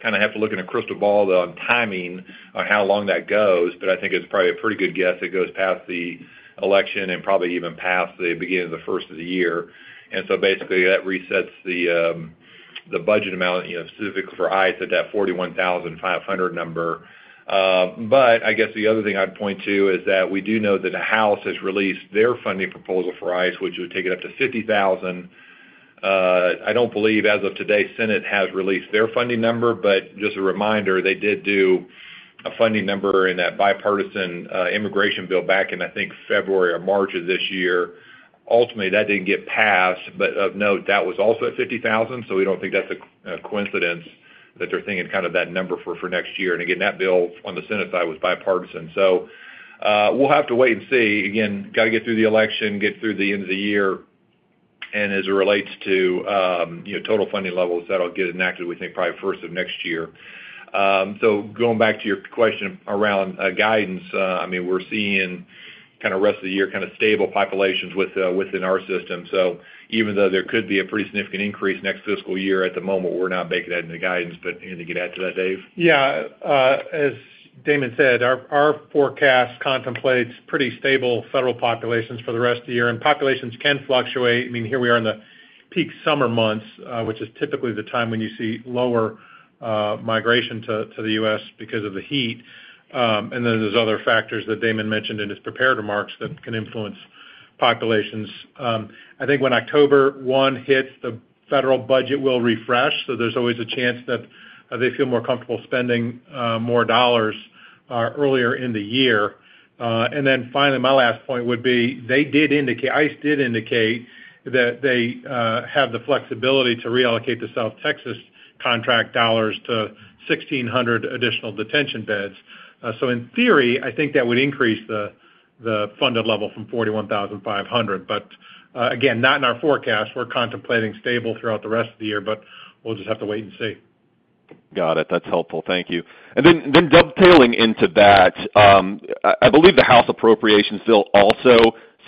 kind of have to look in a crystal ball on timing on how long that goes, but I think it's probably a pretty good guess it goes past the election and probably even past the beginning of the first of the year. And so basically, that resets the budget amount, you know, specifically for ICE at that 41,500 number. But I guess the other thing I'd point to is that we do know that the House has released their funding proposal for ICE, which would take it up to 50,000. I don't believe, as of today, Senate has released their funding number, but just a reminder, they did do a funding number in that bipartisan immigration bill back in, I think, February or March of this year. Ultimately, that didn't get passed, but of note, that was also at 50,000, so we don't think that's a coincidence that they're thinking kind of that number for next year. And again, that bill on the Senate side was bipartisan. So, we'll have to wait and see. Again, gotta get through the election, get through the end of the year. As it relates to, you know, total funding levels, that'll get enacted, we think, probably first of next year. So going back to your question around guidance, I mean, we're seeing kind of the rest of the year, kind of stable populations within our system. So even though there could be a pretty significant increase next fiscal year, at the moment, we're not baking that into the guidance. But anything to add to that, Dave? Yeah. As Damon said, our forecast contemplates pretty stable federal populations for the rest of the year, and populations can fluctuate. I mean, here we are in the peak summer months, which is typically the time when you see lower migration to the U.S. because of the heat. And then there's other factors that Damon mentioned in his prepared remarks that can influence populations. I think when October 1 hits, the federal budget will refresh, so there's always a chance that they feel more comfortable spending more dollars earlier in the year. And then finally, my last point would be, they did indicate—ICE did indicate that they have the flexibility to reallocate the South Texas contract dollars to 1,600 additional detention beds. So in theory, I think that would increase the funded level from 41,500. But, again, not in our forecast. We're contemplating stable throughout the rest of the year, but we'll just have to wait and see. Got it. That's helpful. Thank you. And then dovetailing into that, I believe the House Appropriations Bill also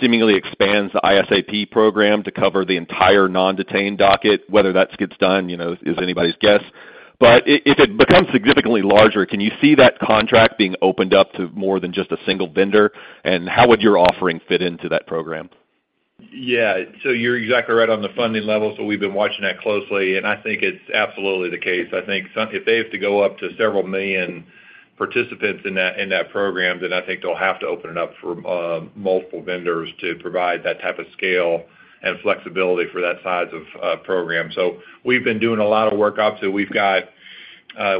seemingly expands the ISAP program to cover the entire non-detained docket. Whether that gets done, you know, is anybody's guess. But if it becomes significantly larger, can you see that contract being opened up to more than just a single vendor? And how would your offering fit into that program?... Yeah, so you're exactly right on the funding levels, so we've been watching that closely, and I think it's absolutely the case. I think some if they have to go up to several million participants in that, in that program, then I think they'll have to open it up for multiple vendors to provide that type of scale and flexibility for that size of program. So we've been doing a lot of work obviously. We've got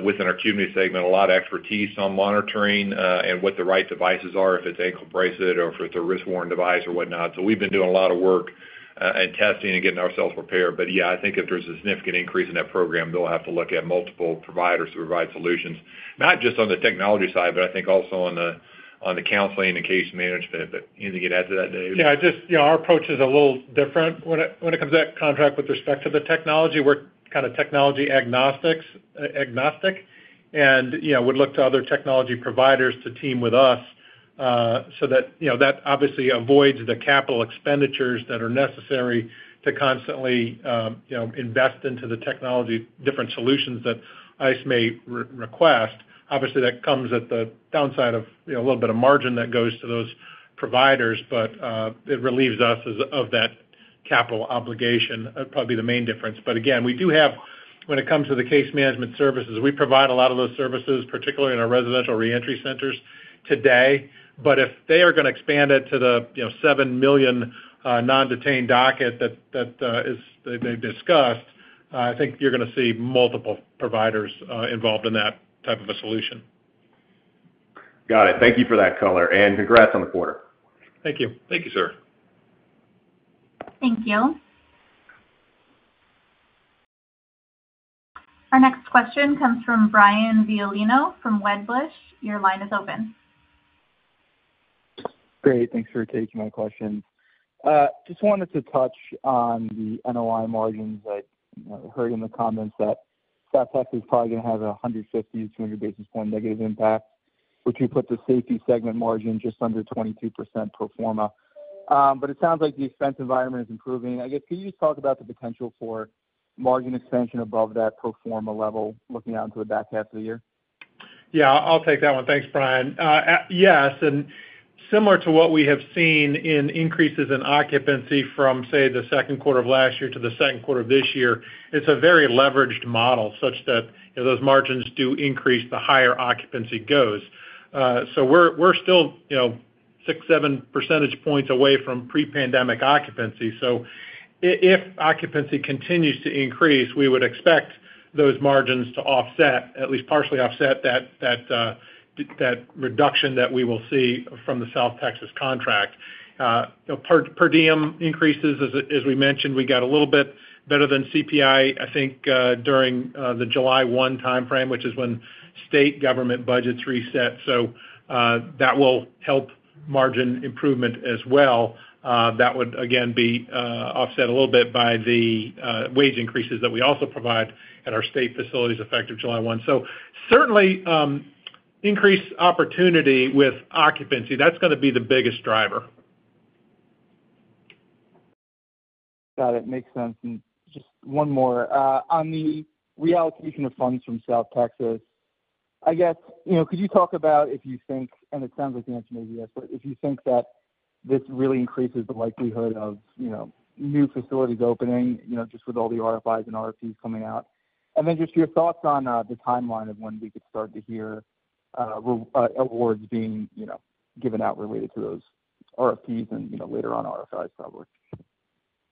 within our community segment a lot of expertise on monitoring and what the right devices are, if it's ankle bracelet or if it's a wrist-worn device or whatnot. So we've been doing a lot of work and testing and getting ourselves prepared. But yeah, I think if there's a significant increase in that program, they'll have to look at multiple providers to provide solutions, not just on the technology side, but I think also on the counseling and case management. But anything to add to that, David? Yeah, just, you know, our approach is a little different when it comes to that contract with respect to the technology. We're kind of technology agnostics, agnostic, and, you know, would look to other technology providers to team with us, so that, you know, that obviously avoids the capital expenditures that are necessary to constantly, you know, invest into the technology, different solutions that ICE may request. Obviously, that comes at the downside of, you know, a little bit of margin that goes to those providers, but, it relieves us of that capital obligation, probably the main difference. But again, we do have when it comes to the case management services, we provide a lot of those services, particularly in our residential reentry centers today. But if they are gonna expand it to the, you know, 7 million non-detained docket that they've discussed, I think you're gonna see multiple providers involved in that type of a solution. Got it. Thank you for that color, and congrats on the quarter. Thank you. Thank you, sir. Thank you. Our next question comes from Brian Violino from Wedbush. Your line is open. Great. Thanks for taking my questions. Just wanted to touch on the NOI margins. I heard in the comments that South Texas is probably gonna have a 150-200 basis point negative impact, which would put the safety segment margin just under 22% pro forma. But it sounds like the expense environment is improving. I guess, could you just talk about the potential for margin expansion above that pro forma level, looking out into the back half of the year? Yeah, I'll take that one. Thanks, Brian. Yes, and similar to what we have seen in increases in occupancy from, say, the second quarter of last year to the second quarter of this year, it's a very leveraged model, such that, you know, those margins do increase, the higher occupancy goes. So we're still, you know, six-seven percentage points away from pre-pandemic occupancy. So if occupancy continues to increase, we would expect those margins to offset, at least partially offset that reduction that we will see from the South Texas contract. You know, per diem increases, as we mentioned, we got a little bit better than CPI, I think, during the July 1 timeframe, which is when state government budgets reset. So that will help margin improvement as well. That would again be offset a little bit by the wage increases that we also provide at our state facilities, effective July 1. Certainly, increased opportunity with occupancy, that's gonna be the biggest driver. Got it. Makes sense. And just one more. On the reallocation of funds from South Texas, I guess, you know, could you talk about if you think, and it sounds like the answer may be yes, but if you think that this really increases the likelihood of, you know, new facilities opening, you know, just with all the RFIs and RFPs coming out? And then just your thoughts on the timeline of when we could start to hear awards being, you know, given out related to those RFPs and, you know, later on, RFIs, probably.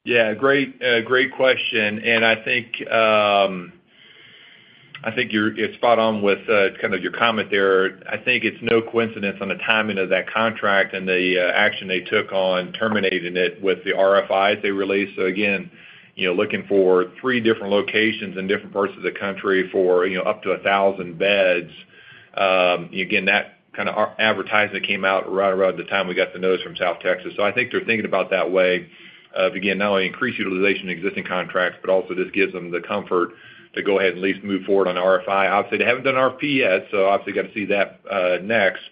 Yeah, great, great question, and I think, I think you're—it's spot on with, kind of your comment there. I think it's no coincidence on the timing of that contract and the, action they took on terminating it with the RFIs they released. So again, you know, looking for 3 different locations in different parts of the country for, you know, up to 1,000 beds, again, that kind of advertising came out right around the time we got the notice from South Texas. So I think they're thinking about that way of, again, not only increase utilization existing contracts, but also this gives them the comfort to go ahead and at least move forward on RFI. Obviously, they haven't done an RFP yet, so obviously got to see that, next.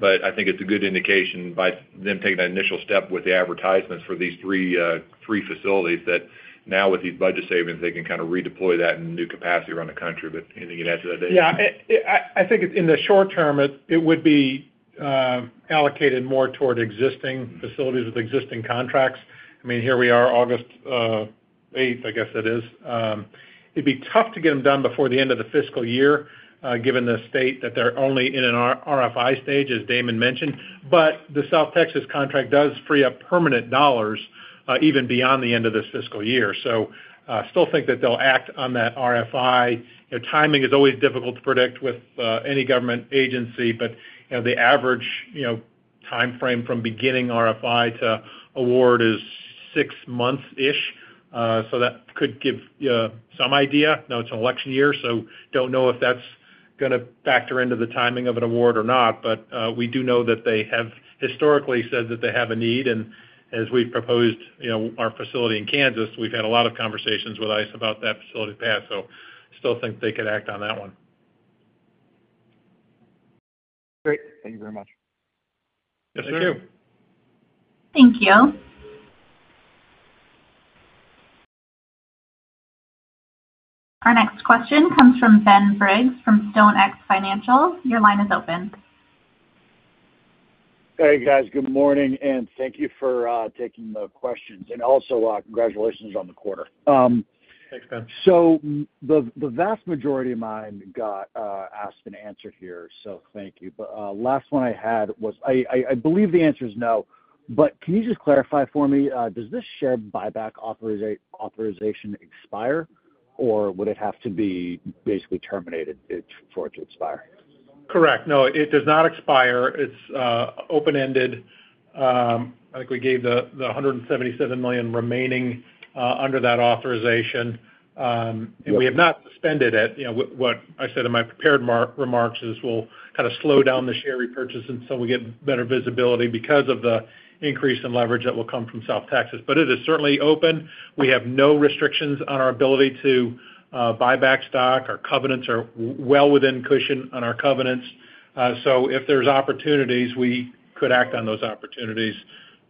But I think it's a good indication by them taking that initial step with the advertisements for these three, three facilities, that now with these budget savings, they can kind of redeploy that in new capacity around the country. But anything you'd add to that, David? Yeah, I think in the short term, it would be allocated more toward existing facilities with existing contracts. I mean, here we are, August eighth, I guess it is. It'd be tough to get them done before the end of the fiscal year, given the state that they're only in an RFI stage, as Damon mentioned, but the South Texas contract does free up permanent dollars, even beyond the end of this fiscal year. So, still think that they'll act on that RFI. You know, timing is always difficult to predict with any government agency, but, you know, the average, you know, timeframe from beginning RFI to award is six months-ish. So that could give some idea. Now, it's an election year, so don't know if that's gonna factor into the timing of an award or not, but we do know that they have historically said that they have a need. And as we've proposed, you know, our facility in Kansas, we've had a lot of conversations with ICE about that facility path, so still think they could act on that one. Great. Thank you very much. Yes, sir. Thank you. Thank you. Our next question comes from Ben Briggs from StoneX Financial. Your line is open. Hey, guys, good morning, and thank you for taking the questions. Also, congratulations on the quarter. Thanks, Ben. So the vast majority of mine got asked and answered here, so thank you. But last one I had was... I believe the answer is no, but can you just clarify for me, does this share buyback authorization expire, or would it have to be basically terminated it, for it to expire? Correct. No, it does not expire. It's open-ended. I think we gave the $177 million remaining under that authorization. We have not suspended it. You know, what I said in my prepared remarks is we'll kind of slow down the share repurchase until we get better visibility because of the increase in leverage that will come from South Texas. But it is certainly open. We have no restrictions on our ability to buy back stock. Our covenants are well within cushion on our covenants. So if there's opportunities, we could act on those opportunities.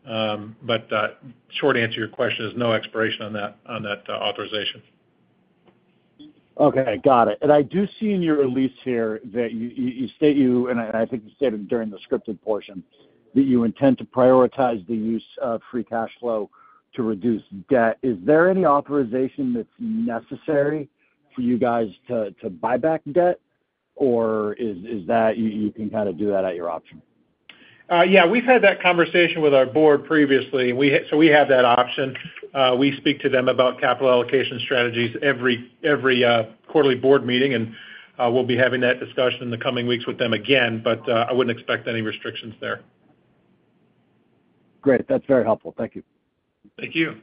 Short answer to your question is no expiration on that authorization. Okay, got it. I do see in your release here that you state, and I think you stated during the scripted portion, that you intend to prioritize the use of free cash flow to reduce debt. Is there any authorization that's necessary for you guys to buy back debt? Or is that you can kind of do that at your option? Yeah, we've had that conversation with our board previously. So we have that option. We speak to them about capital allocation strategies every quarterly board meeting, and we'll be having that discussion in the coming weeks with them again, but I wouldn't expect any restrictions there. Great. That's very helpful. Thank you. Thank you.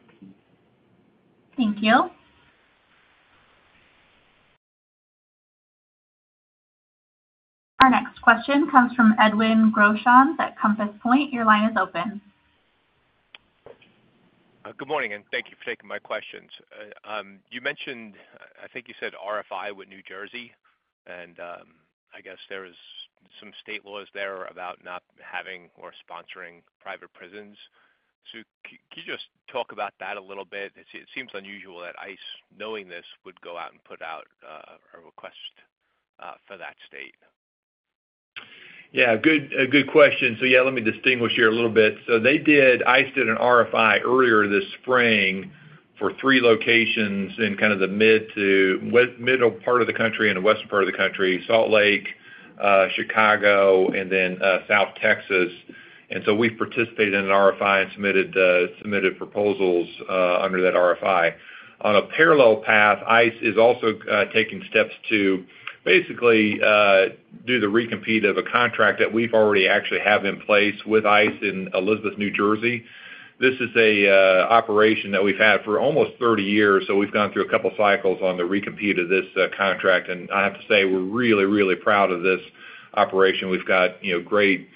Thank you. Our next question comes from Edwin Groshans at Compass Point. Your line is open. Good morning, and thank you for taking my questions. You mentioned, I think you said RFI with New Jersey, and I guess there is some state laws there about not having or sponsoring private prisons. So can you just talk about that a little bit? It seems unusual that ICE, knowing this, would go out and put out a request for that state. Yeah, good, a good question. So yeah, let me distinguish here a little bit. So they did, ICE did an RFI earlier this spring for 3 locations in kind of the mid-to-west, middle part of the country and the western part of the country, Salt Lake, Chicago, and then, South Texas. And so we participated in an RFI and submitted proposals under that RFI. On a parallel path, ICE is also taking steps to basically do the recompete of a contract that we've already actually have in place with ICE in Elizabeth, New Jersey. This is a operation that we've had for almost 30 years, so we've gone through a couple cycles on the recompete of this contract, and I have to say, we're really, really proud of this operation. We've got, you know, great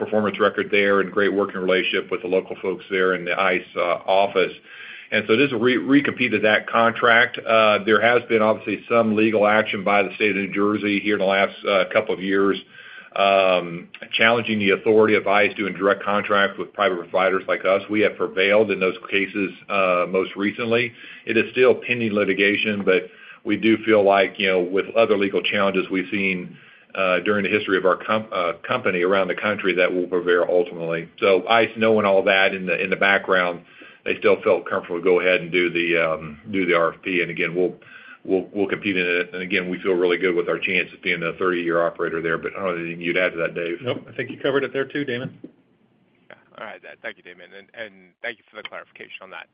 performance record there and great working relationship with the local folks there in the ICE office. And so this recompeted that contract. There has been obviously some legal action by the state of New Jersey here in the last couple of years, challenging the authority of ICE doing direct contracts with private providers like us. We have prevailed in those cases, most recently. It is still pending litigation, but we do feel like, you know, with other legal challenges we've seen, during the history of our company around the country, that we'll prevail ultimately. So ICE knowing all that in the background, they still felt comfortable to go ahead and do the RFP, and again, we'll compete in it. And again, we feel really good with our chances being the 30-year operator there, but I don't know anything you'd add to that, Dave. Nope. I think you covered it there too, Damon. All right, thank you, Damon, and thank you for the clarification on that.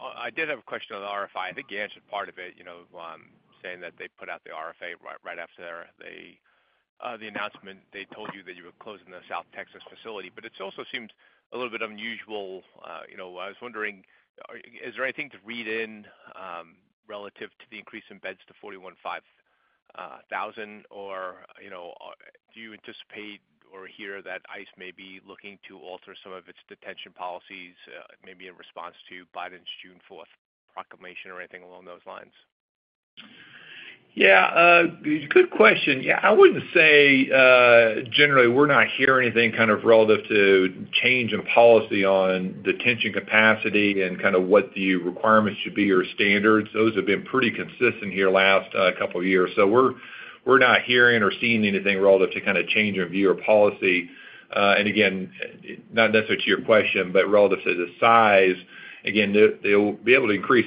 I did have a question on the RFI. I think you answered part of it, you know, saying that they put out the RFI right after the announcement, they told you that you were closing the South Texas facility. But it also seems a little bit unusual, you know, I was wondering, is there anything to read in relative to the increase in beds to 41,500? Or, you know, do you anticipate or hear that ICE may be looking to alter some of its detention policies, maybe in response to Biden's June fourth proclamation or anything along those lines? Yeah, good question. Yeah, I wouldn't say, generally, we're not hearing anything kind of relative to change in policy on detention capacity and kind of what the requirements should be or standards. Those have been pretty consistent here last, couple years. So we're, we're not hearing or seeing anything relative to kind of change in view or policy. And again, not necessarily to your question, but relative to the size, again, they, they'll be able to increase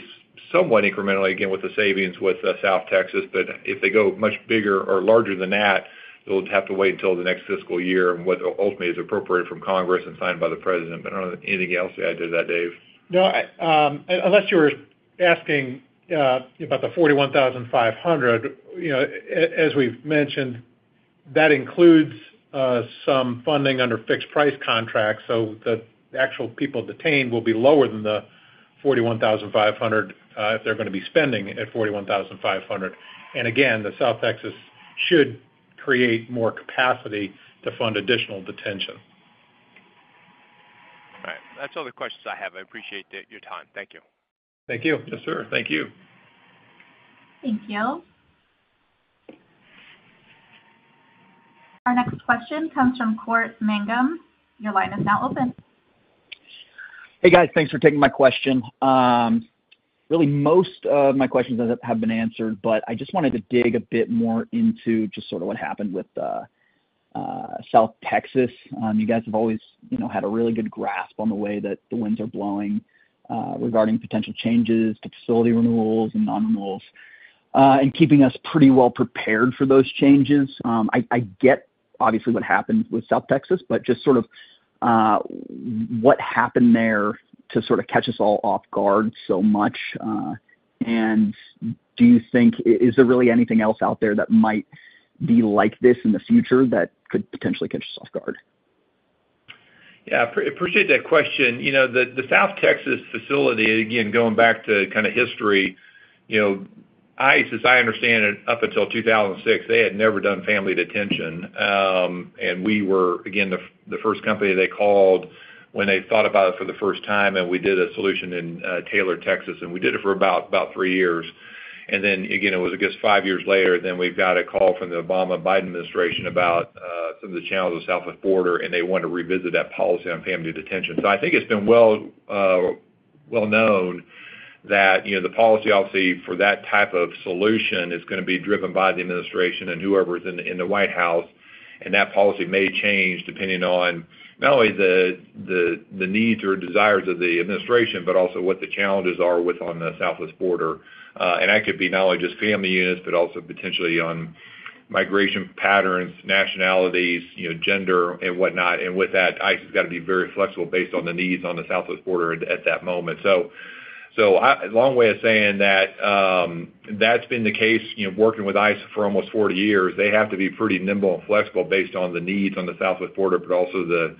somewhat incrementally, again, with the savings with, South Texas, but if they go much bigger or larger than that, they'll have to wait until the next fiscal year and what ultimately is appropriated from Congress and signed by the president. But I don't know anything else to add to that, Dave. No, I, unless you were asking, about the 41,500, you know, as we've mentioned, that includes, some funding under fixed price contracts, so the actual people detained will be lower than the 41,500, if they're gonna be spending at 41,500. And again, the South Texas should create more capacity to fund additional detention. All right. That's all the questions I have. I appreciate the- your time. Thank you. Thank you. Yes, sir. Thank you. Thank you. Our next question comes from Cort Mangum. Your line is now open. Hey, guys, thanks for taking my question. Really, most of my questions have been answered, but I just wanted to dig a bit more into just sort of what happened with the South Texas. You guys have always, you know, had a really good grasp on the way that the winds are blowing regarding potential changes to facility renewals and non-renewals and keeping us pretty well prepared for those changes. I get obviously what happened with South Texas, but just sort of what happened there to sort of catch us all off guard so much, and do you think, is there really anything else out there that might be like this in the future that could potentially catch us off guard? Yeah, appreciate that question. You know, the South Texas facility, again, going back to kind of history, you know, ICE, as I understand it, up until 2006, they had never done family detention. And we were, again, the first company they called when they thought about it for the first time, and we did a solution in Taylor, Texas, and we did it for about three years. And then, again, it was, I guess, five years later, then we've got a call from the Obama-Biden administration about some of the challenges of Southwest border, and they wanted to revisit that policy on family detention. So I think it's been well, well known that, you know, the policy, obviously, for that type of solution is gonna be driven by the administration and whoever's in the White House, and that policy may change depending on not only the needs or desires of the administration, but also what the challenges are with on the Southwest border. And that could be not only just family units, but also potentially on migration patterns, nationalities, you know, gender and whatnot. And with that, ICE has got to be very flexible based on the needs on the Southwest border at that moment. So, long way of saying that, that's been the case, you know, working with ICE for almost 40 years. They have to be pretty nimble and flexible based on the needs on the Southwest border, but also the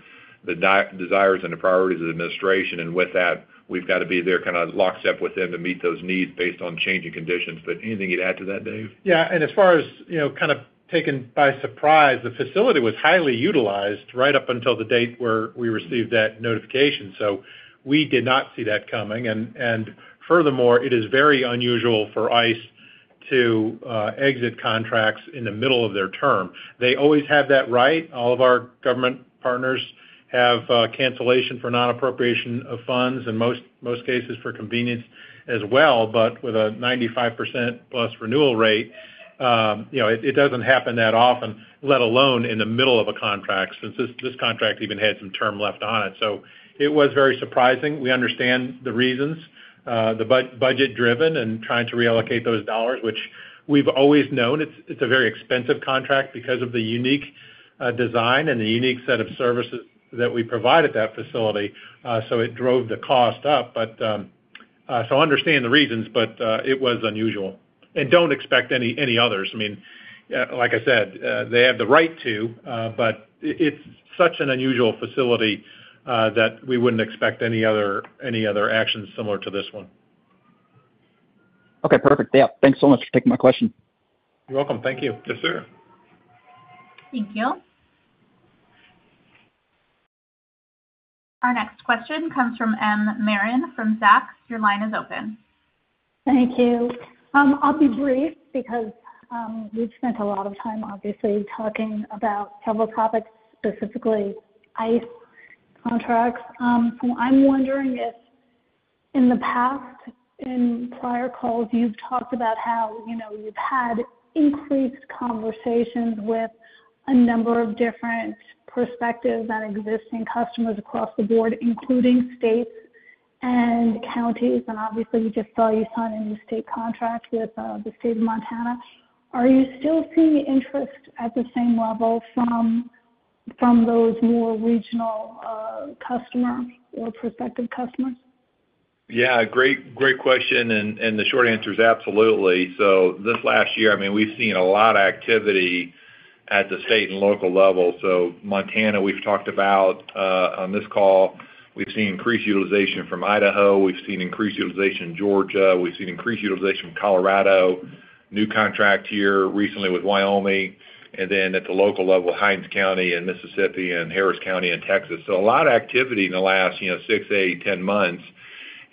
desires and the priorities of the administration. And with that, we've got to be there kind of lockstep with them to meet those needs based on changing conditions. But anything you'd add to that, Dave? Yeah, and as far as, you know, kind of taken by surprise, the facility was highly utilized right up until the date where we received that notification. So we did not see that coming, and furthermore, it is very unusual for ICE to exit contracts in the middle of their term. They always have that right. All of our government partners have cancellation for non-appropriation of funds, in most cases, for convenience as well. But with a 95%+ renewal rate, you know, it doesn't happen that often, let alone in the middle of a contract, since this contract even had some term left on it. So it was very surprising. We understand the reasons, the budget driven and trying to reallocate those dollars, which we've always known it's a very expensive contract because of the unique design and the unique set of services that we provide at that facility, so it drove the cost up. But so I understand the reasons, but it was unusual. Don't expect any others. I mean, like I said, they have the right to, but it's such an unusual facility, that we wouldn't expect any other actions similar to this one. Okay, perfect. Yeah, thanks so much for taking my question. You're welcome. Thank you. Yes, sir. Thank you. Our next question comes from M. Marin, from Zacks. Your line is open. Thank you. I'll be brief because we've spent a lot of time obviously talking about several topics, specifically ICE contracts. I'm wondering if, in the past, in prior calls, you've talked about how, you know, you've had increased conversations with a number of different perspectives on existing customers across the board, including states and counties. And obviously, you just saw you signed a new state contract with the state of Montana. Are you still seeing interest at the same level from those more regional customers or prospective customers? Yeah, great, great question, and, and the short answer is absolutely. So this last year, I mean, we've seen a lot of activity at the state and local level. So Montana, we've talked about on this call. We've seen increased utilization from Idaho. We've seen increased utilization in Georgia. We've seen increased utilization from Colorado. New contract here recently with Wyoming, and then at the local level, Hinds County, Mississippi, and Harris County, Texas. So a lot of activity in the last, you know, six, eight, ten months,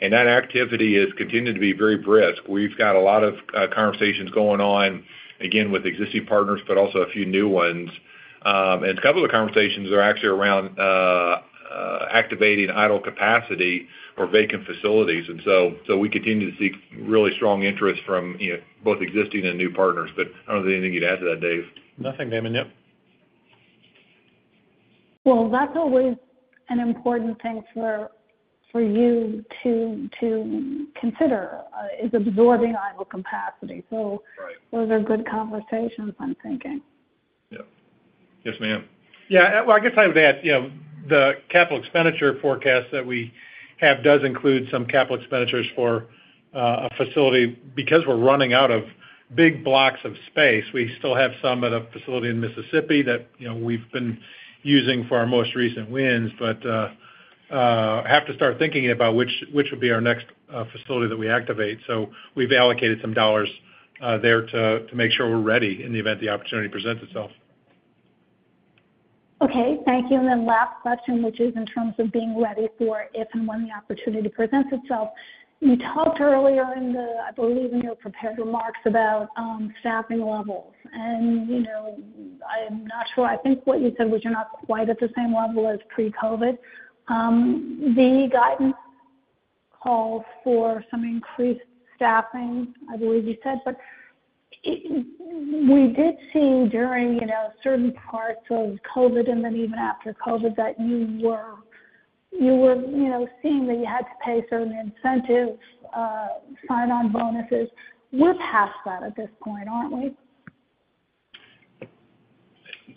and that activity has continued to be very brisk. We've got a lot of conversations going on, again, with existing partners, but also a few new ones. And a couple of the conversations are actually around activating idle capacity or vacant facilities, and so we continue to see really strong interest from, you know, both existing and new partners. But I don't know if there's anything you'd add to that, Dave. Nothing, Damon, yep. Well, that's always an important thing for you to consider is absorbing idle capacity. So- Right. Those are good conversations, I'm thinking. Yep. Yes, ma'am. Yeah, well, I guess I would add, you know, the capital expenditure forecast that we have does include some capital expenditures for a facility. Because we're running out of big blocks of space, we still have some at a facility in Mississippi that, you know, we've been using for our most recent wins, but have to start thinking about which will be our next facility that we activate. So we've allocated some dollars there to make sure we're ready in the event the opportunity presents itself. ... Okay, thank you. And then last question, which is in terms of being ready for if and when the opportunity presents itself. You talked earlier in the, I believe, in your prepared remarks about staffing levels. And, you know, I'm not sure, I think what you said was you're not quite at the same level as pre-COVID. The guidance calls for some increased staffing, I believe you said, but it, we did see during, you know, certain parts of COVID and then even after COVID, that you were, you know, seeing that you had to pay certain incentives, sign-on bonuses. We're past that at this point, aren't we?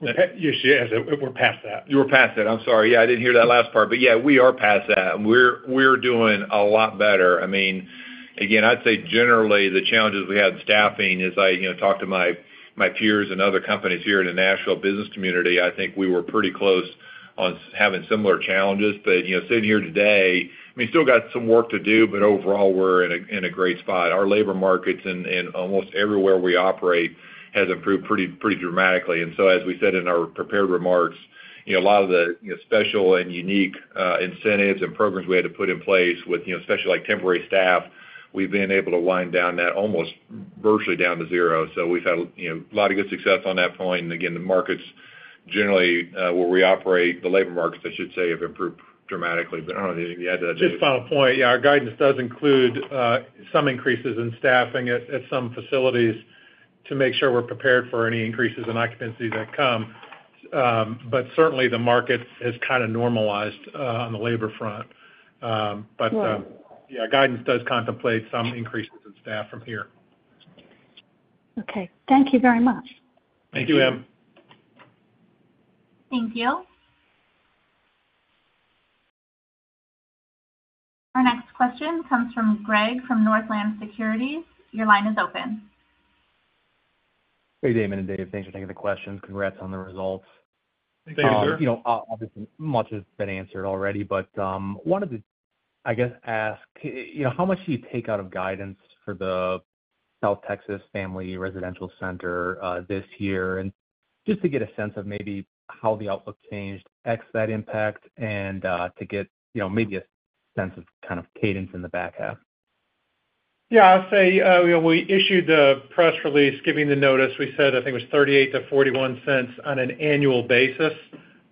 Yes, she is. We're past that. You were past that. I'm sorry. Yeah, I didn't hear that last part, but yeah, we are past that, and we're doing a lot better. I mean, again, I'd say generally, the challenges we had in staffing, as I, you know, talk to my peers and other companies here in the Nashville business community, I think we were pretty close on having similar challenges. But, you know, sitting here today, we still got some work to do, but overall, we're in a great spot. Our labor markets in almost everywhere we operate has improved pretty dramatically. And so, as we said in our prepared remarks, you know, a lot of the, you know, special and unique incentives and programs we had to put in place with, you know, especially like temporary staff, we've been able to wind down that almost virtually down to zero. So we've had, you know, a lot of good success on that point. And again, the markets, generally, where we operate, the labor markets, I should say, have improved dramatically. But I don't know anything to add to that, Dave. Just final point, yeah, our guidance does include some increases in staffing at some facilities to make sure we're prepared for any increases in occupancy that come. But certainly, the market has kind of normalized on the labor front. But, yeah, guidance does contemplate some increases in staff from here. Okay. Thank you very much. Thank you, ma'am. Thank you. Our next question comes from Greg, from Northland Securities. Your line is open. Hey, Damon and Dave, thanks for taking the questions. Congrats on the results. Thank you, sir. Thank you. You know, obviously, much has been answered already, but, wanted to, I guess, ask, you know, how much do you take out of guidance for the South Texas Family Residential Center, this year? And just to get a sense of maybe how the outlook changed ex that impact and, to get, you know, maybe a sense of kind of cadence in the back half. Yeah, I'll say, you know, we issued a press release giving the notice. We said, I think it was $0.38-$0.41 on an annual basis.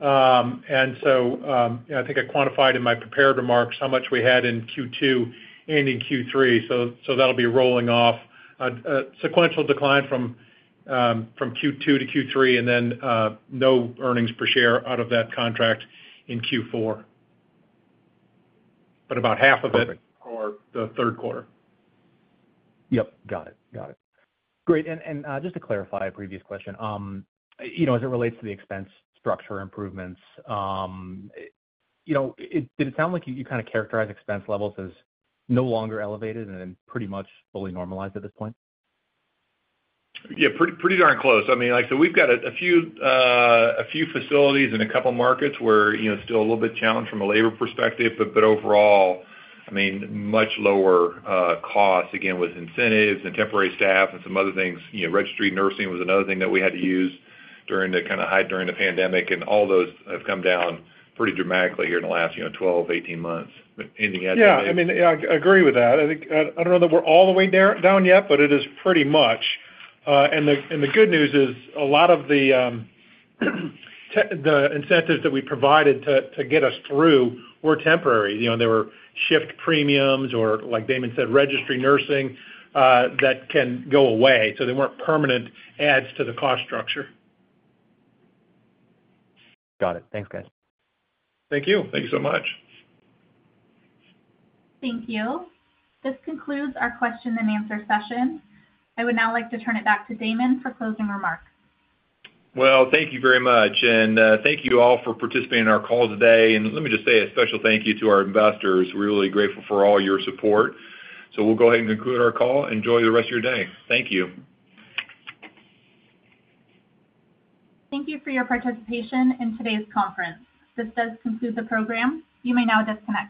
And so, you know, I think I quantified in my prepared remarks how much we had in Q2 and in Q3, so that'll be rolling off. A sequential decline from Q2 to Q3, and then no earnings per share out of that contract in Q4. But about half of it- Perfect. Or the third quarter. Yep, got it. Got it. Great, and, and, just to clarify a previous question, you know, as it relates to the expense structure improvements, you know, did it sound like you kind of characterized expense levels as no longer elevated and then pretty much fully normalized at this point? Yeah, pretty, pretty darn close. I mean, like, so we've got a few facilities in a couple markets where, you know, still a little bit challenged from a labor perspective, but overall, I mean, much lower costs, again, with incentives and temporary staff and some other things. You know, registry nursing was another thing that we had to use during the kind of height during the pandemic, and all those have come down pretty dramatically here in the last, you know, 12, 18 months. But anything to add to that, Dave? Yeah, I mean, I agree with that. I think I don't know that we're all the way down yet, but it is pretty much. And the good news is a lot of the incentives that we provided to get us through were temporary. You know, there were shift premiums or, like Damon said, registry nursing that can go away, so they weren't permanent adds to the cost structure. Got it. Thanks, guys. Thank you. Thanks so much. Thank you. This concludes our question and answer session. I would now like to turn it back to Damon for closing remarks. Well, thank you very much, and thank you all for participating in our call today. Let me just say a special thank you to our investors. We're really grateful for all your support. We'll go ahead and conclude our call. Enjoy the rest of your day. Thank you. Thank you for your participation in today's conference. This does conclude the program. You may now disconnect.